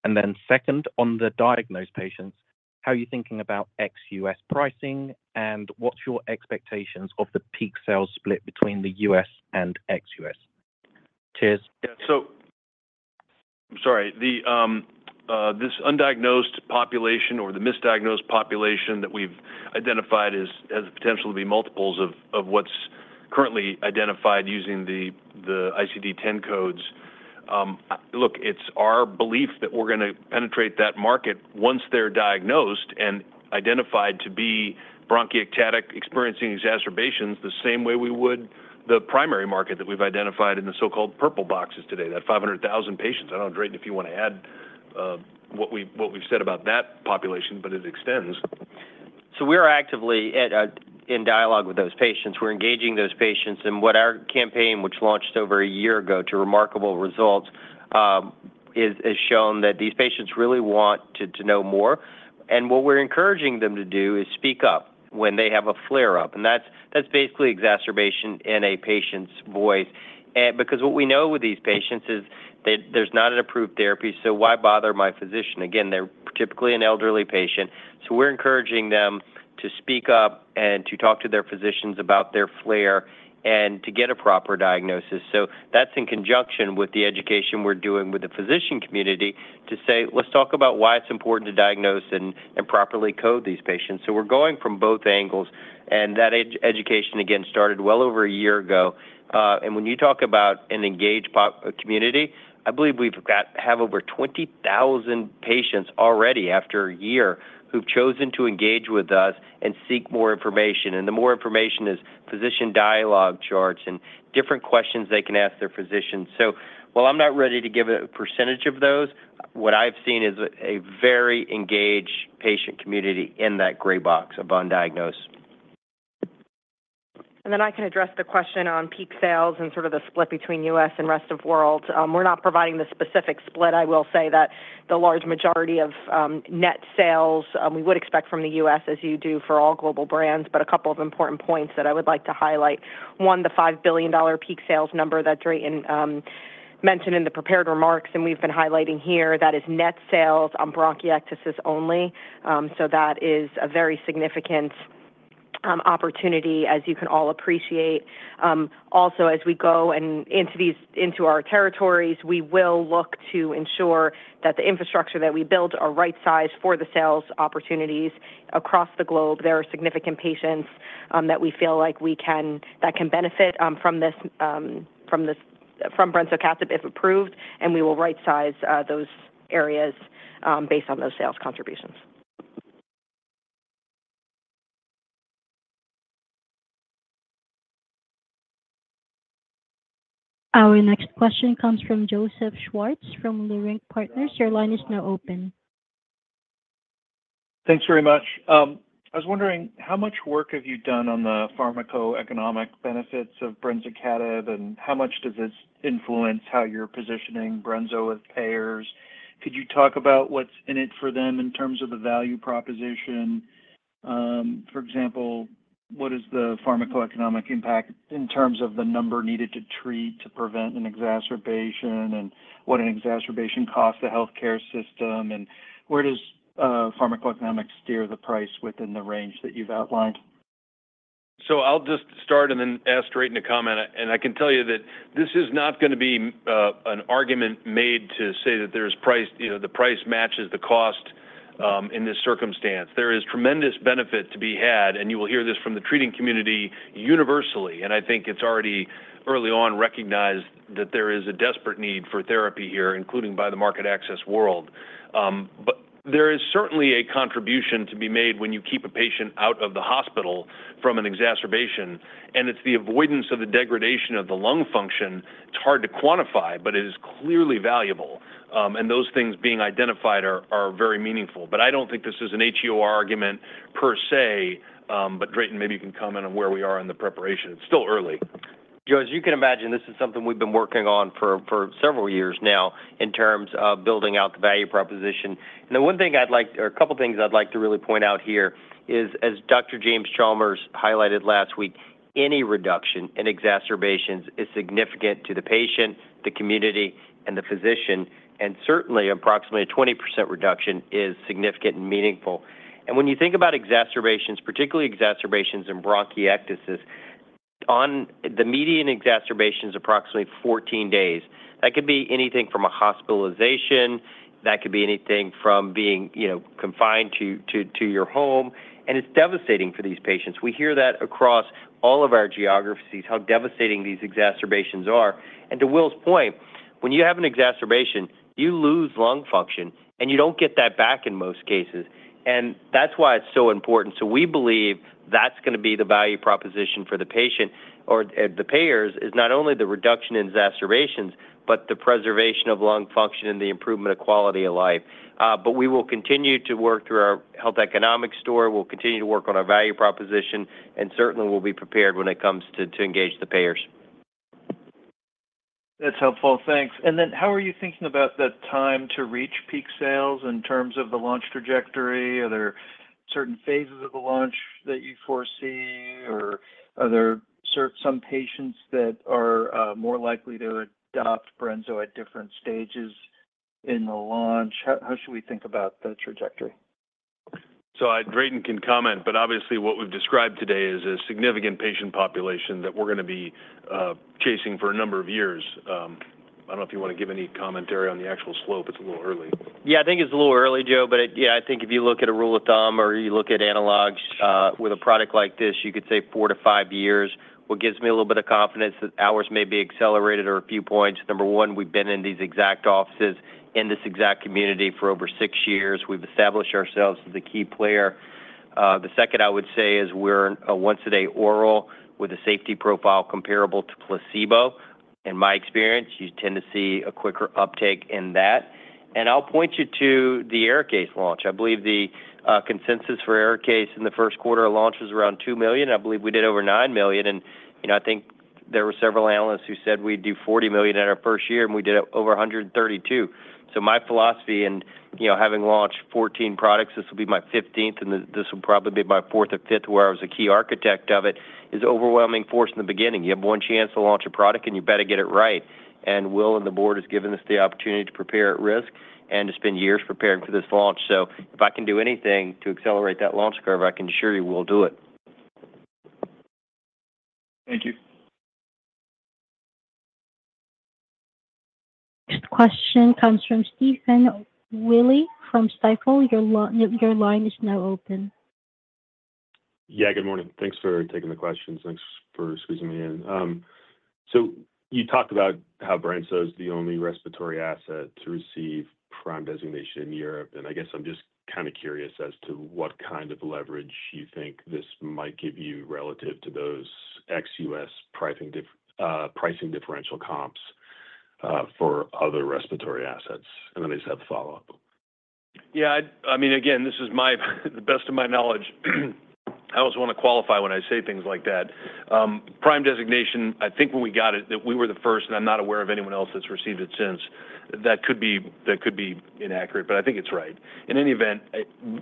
And then second, on the diagnosed patients, how are you thinking about ex-U.S. pricing, and what's your expectations of the peak sales split between the U.S. and ex-U.S.? Cheers. Yeah. So. Sorry. The undiagnosed population or the misdiagnosed population that we've identified as potential to be multiples of what's currently identified using the ICD-10 codes. Look, it's our belief that we're gonna penetrate that market once they're diagnosed and identified to be bronchiectasis, experiencing exacerbations, the same way we would the primary market that we've identified in the so-called purple boxes today, that 500,000 patients. I don't know, Drayton, if you want to add what we've said about that population, but it extends. So we are actively at in dialogue with those patients. We're engaging those patients, and what our campaign, which launched over a year ago to remarkable results, is, has shown that these patients really want to, to know more. And what we're encouraging them to do is speak up when they have a flare-up, and that's, that's basically exacerbation in a patient's voice. And because what we know with these patients is that there's not an approved therapy, so why bother my physician? Again, they're typically an elderly patient, so we're encouraging them to speak up and to talk to their physicians about their flare and to get a proper diagnosis. So that's in conjunction with the education we're doing with the physician community to say, "Let's talk about why it's important to diagnose and properly code these patients." So we're going from both angles, and that education, again, started well over a year ago. And when you talk about an engaged community, I believe we have over 20,000 patients already, after a year, who've chosen to engage with us and seek more information, and the more information is physician dialogue charts and different questions they can ask their physicians. So while I'm not ready to give a percentage of those, what I've seen is a very engaged patient community in that gray box of undiagnosed. Then I can address the question on peak sales and sort of the split between U.S. and rest of world. We're not providing the specific split. I will say that the large majority of net sales we would expect from the U.S., as you do for all global brands. But a couple of important points that I would like to highlight, one, the $5 billion peak sales number that Drayton mentioned in the prepared remarks and we've been highlighting here, that is net sales on bronchiectasis only. So that is a very significant opportunity, as you can all appreciate. Also, as we go into our territories, we will look to ensure that the infrastructure that we build are right sized for the sales opportunities across the globe. There are significant patients and that we feel like we can that can benefit from Brensocatib, if approved, and we will right size those areas based on those sales contributions. Our next question comes from Joseph Schwartz from Leerink Partners. Your line is now open. Thanks very much. I was wondering, how much work have you done on the pharmacoeconomic benefits of Brensocatib, and how much does this influence how you're positioning Brensocatib with payers? Could you talk about what's in it for them in terms of the value proposition? For example, what is the pharmacoeconomic impact in terms of the number needed to treat to prevent an exacerbation, and what an exacerbation costs the healthcare system, and where does pharmacoeconomics steer the price within the range that you've outlined? So I'll just start and then ask Drayton to comment. And I can tell you that this is not gonna be an argument made to say that there's price, you know, the price matches the cost in this circumstance. There is tremendous benefit to be had, and you will hear this from the treating community universally, and I think it's already early on recognized that there is a desperate need for therapy here, including by the market access world. But there is certainly a contribution to be made when you keep a patient out of the hospital from an exacerbation, and it's the avoidance of the degradation of the lung function. It's hard to quantify, but it is clearly valuable. And those things being identified are very meaningful. But I don't think this is an HEOR argument per se, but Drayton, maybe you can comment on where we are in the preparation. It's still early. Joe, as you can imagine, this is something we've been working on for several years now in terms of building out the value proposition. The one thing I'd like, or a couple things I'd like to really point out here is, as Dr. James Chalmers highlighted last week, any reduction in exacerbations is significant to the patient, the community, and the physician, and certainly, approximately a 20% reduction is significant and meaningful. When you think about exacerbations, particularly exacerbations in bronchiectasis, on... The median exacerbation is approximately 14 days. That could be anything from a hospitalization, that could be anything from being, you know, confined to your home, and it's devastating for these patients. We hear that across all of our geographies, how devastating these exacerbations are. To Will's point, when you have an exacerbation, you lose lung function, and you don't get that back in most cases. That's why it's so important. We believe that's gonna be the value proposition for the patient or the payers: not only the reduction in exacerbations, but the preservation of lung function and the improvement of quality of life. But we will continue to work through our health economics story. We'll continue to work on our value proposition, and certainly, we'll be prepared when it comes to engage the payers. That's helpful. Thanks. Then how are you thinking about the time to reach peak sales in terms of the launch trajectory? Are there certain phases of the launch that you foresee, or are there certain patients that are more likely to adopt Brensocatib at different stages in the launch? How should we think about the trajectory? So I, Drayton can comment, but obviously, what we've described today is a significant patient population that we're gonna be chasing for a number of years. I don't know if you want to give any commentary on the actual slope. It's a little early. Yeah, I think it's a little early, Joe, but yeah, I think if you look at a rule of thumb or you look at analogs, with a product like this, you could say four-five years. What gives me a little bit of confidence that ours may be accelerated or a few points, number one, we've been in these exact offices, in this exact community for over six years. We've established ourselves as a key player.... The second I would say is we're a once a day oral with a safety profile comparable to placebo. In my experience, you tend to see a quicker uptake in that. And I'll point you to the ARIKAYCE launch. I believe the consensus for ARIKAYCE in the first quarter of launch was around $2 million. I believe we did over $9 million, and, you know, I think there were several analysts who said we'd do $40 million in our first year, and we did over $132 million. So my philosophy and, you know, having launched 14 products, this will be my 15th, and this will probably be my fourth or fifth where I was a key architect of it, is overwhelming force in the beginning. You have one chance to launch a product, and you better get it right. Will and the board has given us the opportunity to prepare at risk and to spend years preparing for this launch. If I can do anything to accelerate that launch curve, I can assure you we'll do it. Thank you. Next question comes from Stephen Willey from Stifel. Your line is now open. Yeah, good morning. Thanks for taking the questions. Thanks for squeezing me in. So you talked about how Brensocatib is the only respiratory asset to receive PRIME designation in Europe, and I guess I'm just kind of curious as to what kind of leverage you think this might give you relative to those ex-US pricing diff, pricing differential comps, for other respiratory assets? And then I just have a follow-up. Yeah, I mean, again, this is to the best of my knowledge. I always want to qualify when I say things like that. Prime designation, I think when we got it, that we were the first, and I'm not aware of anyone else that's received it since. That could be inaccurate, but I think it's right. In any event,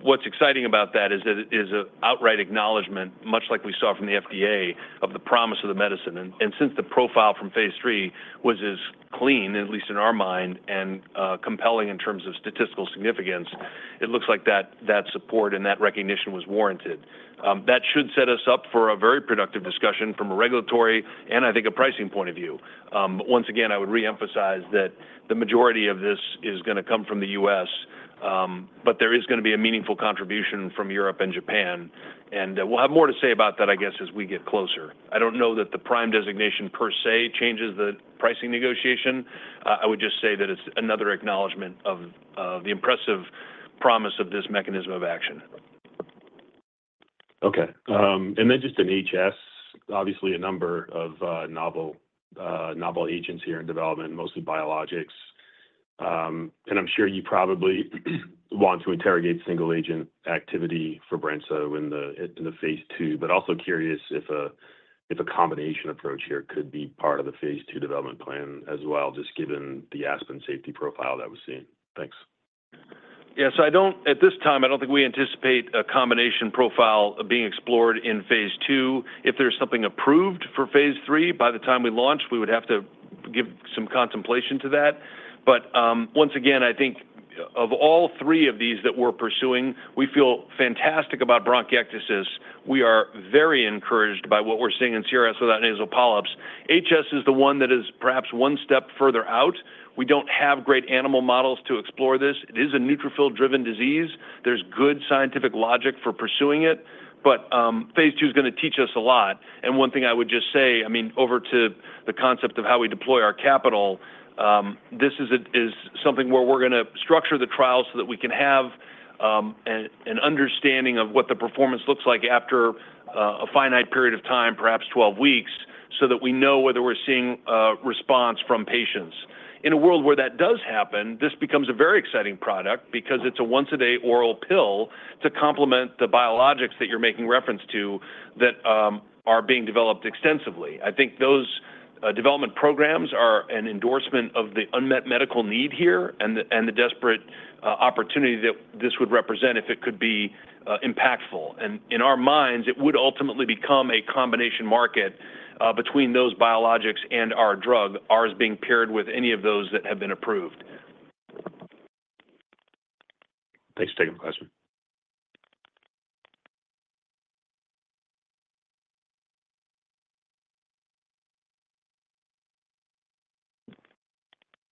what's exciting about that is that it is an outright acknowledgment, much like we saw from the FDA, of the promise of the medicine. And since the profile from phase III was as clean, at least in our mind, and compelling in terms of statistical significance, it looks like that support and that recognition was warranted. That should set us up for a very productive discussion from a regulatory and I think a pricing point of view. Once again, I would reemphasize that the majority of this is gonna come from the U.S., but there is gonna be a meaningful contribution from Europe and Japan, and we'll have more to say about that, I guess, as we get closer. I don't know that the prime designation per se changes the pricing negotiation. I would just say that it's another acknowledgment of the impressive promise of this mechanism of action. Okay, and then just in HS, obviously a number of novel agents here in development, mostly biologics. I'm sure you probably want to interrogate single agent activity for Brensocatib in the phase II, but also curious if a combination approach here could be part of the phase II development plan as well, just given the ASPEN safety profile that we're seeing. Thanks. Yes. At this time, I don't think we anticipate a combination profile being explored in phase II. If there's something approved for phase III by the time we launch, we would have to give some contemplation to that. But once again, I think of all three of these that we're pursuing, we feel fantastic about bronchiectasis. We are very encouraged by what we're seeing in CRS without nasal polyps. HS is the one that is perhaps one step further out. We don't have great animal models to explore this. It is a neutrophil-driven disease. There's good scientific logic for pursuing it, but phase II is gonna teach us a lot. And one thing I would just say, I mean, over to the concept of how we deploy our capital, this is something where we're gonna structure the trial so that we can have an understanding of what the performance looks like after a finite period of time, perhaps 12 weeks, so that we know whether we're seeing a response from patients. In a world where that does happen, this becomes a very exciting product because it's a once-a-day oral pill to complement the biologics that you're making reference to that are being developed extensively. I think those development programs are an endorsement of the unmet medical need here and the desperate opportunity that this would represent if it could be impactful. In our minds, it would ultimately become a combination market, between those biologics and our drug, ours being paired with any of those that have been approved. Thanks for taking the question.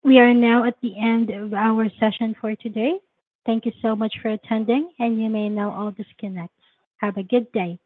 We are now at the end of our session for today. Thank you so much for attending, and you may now all disconnect. Have a good day.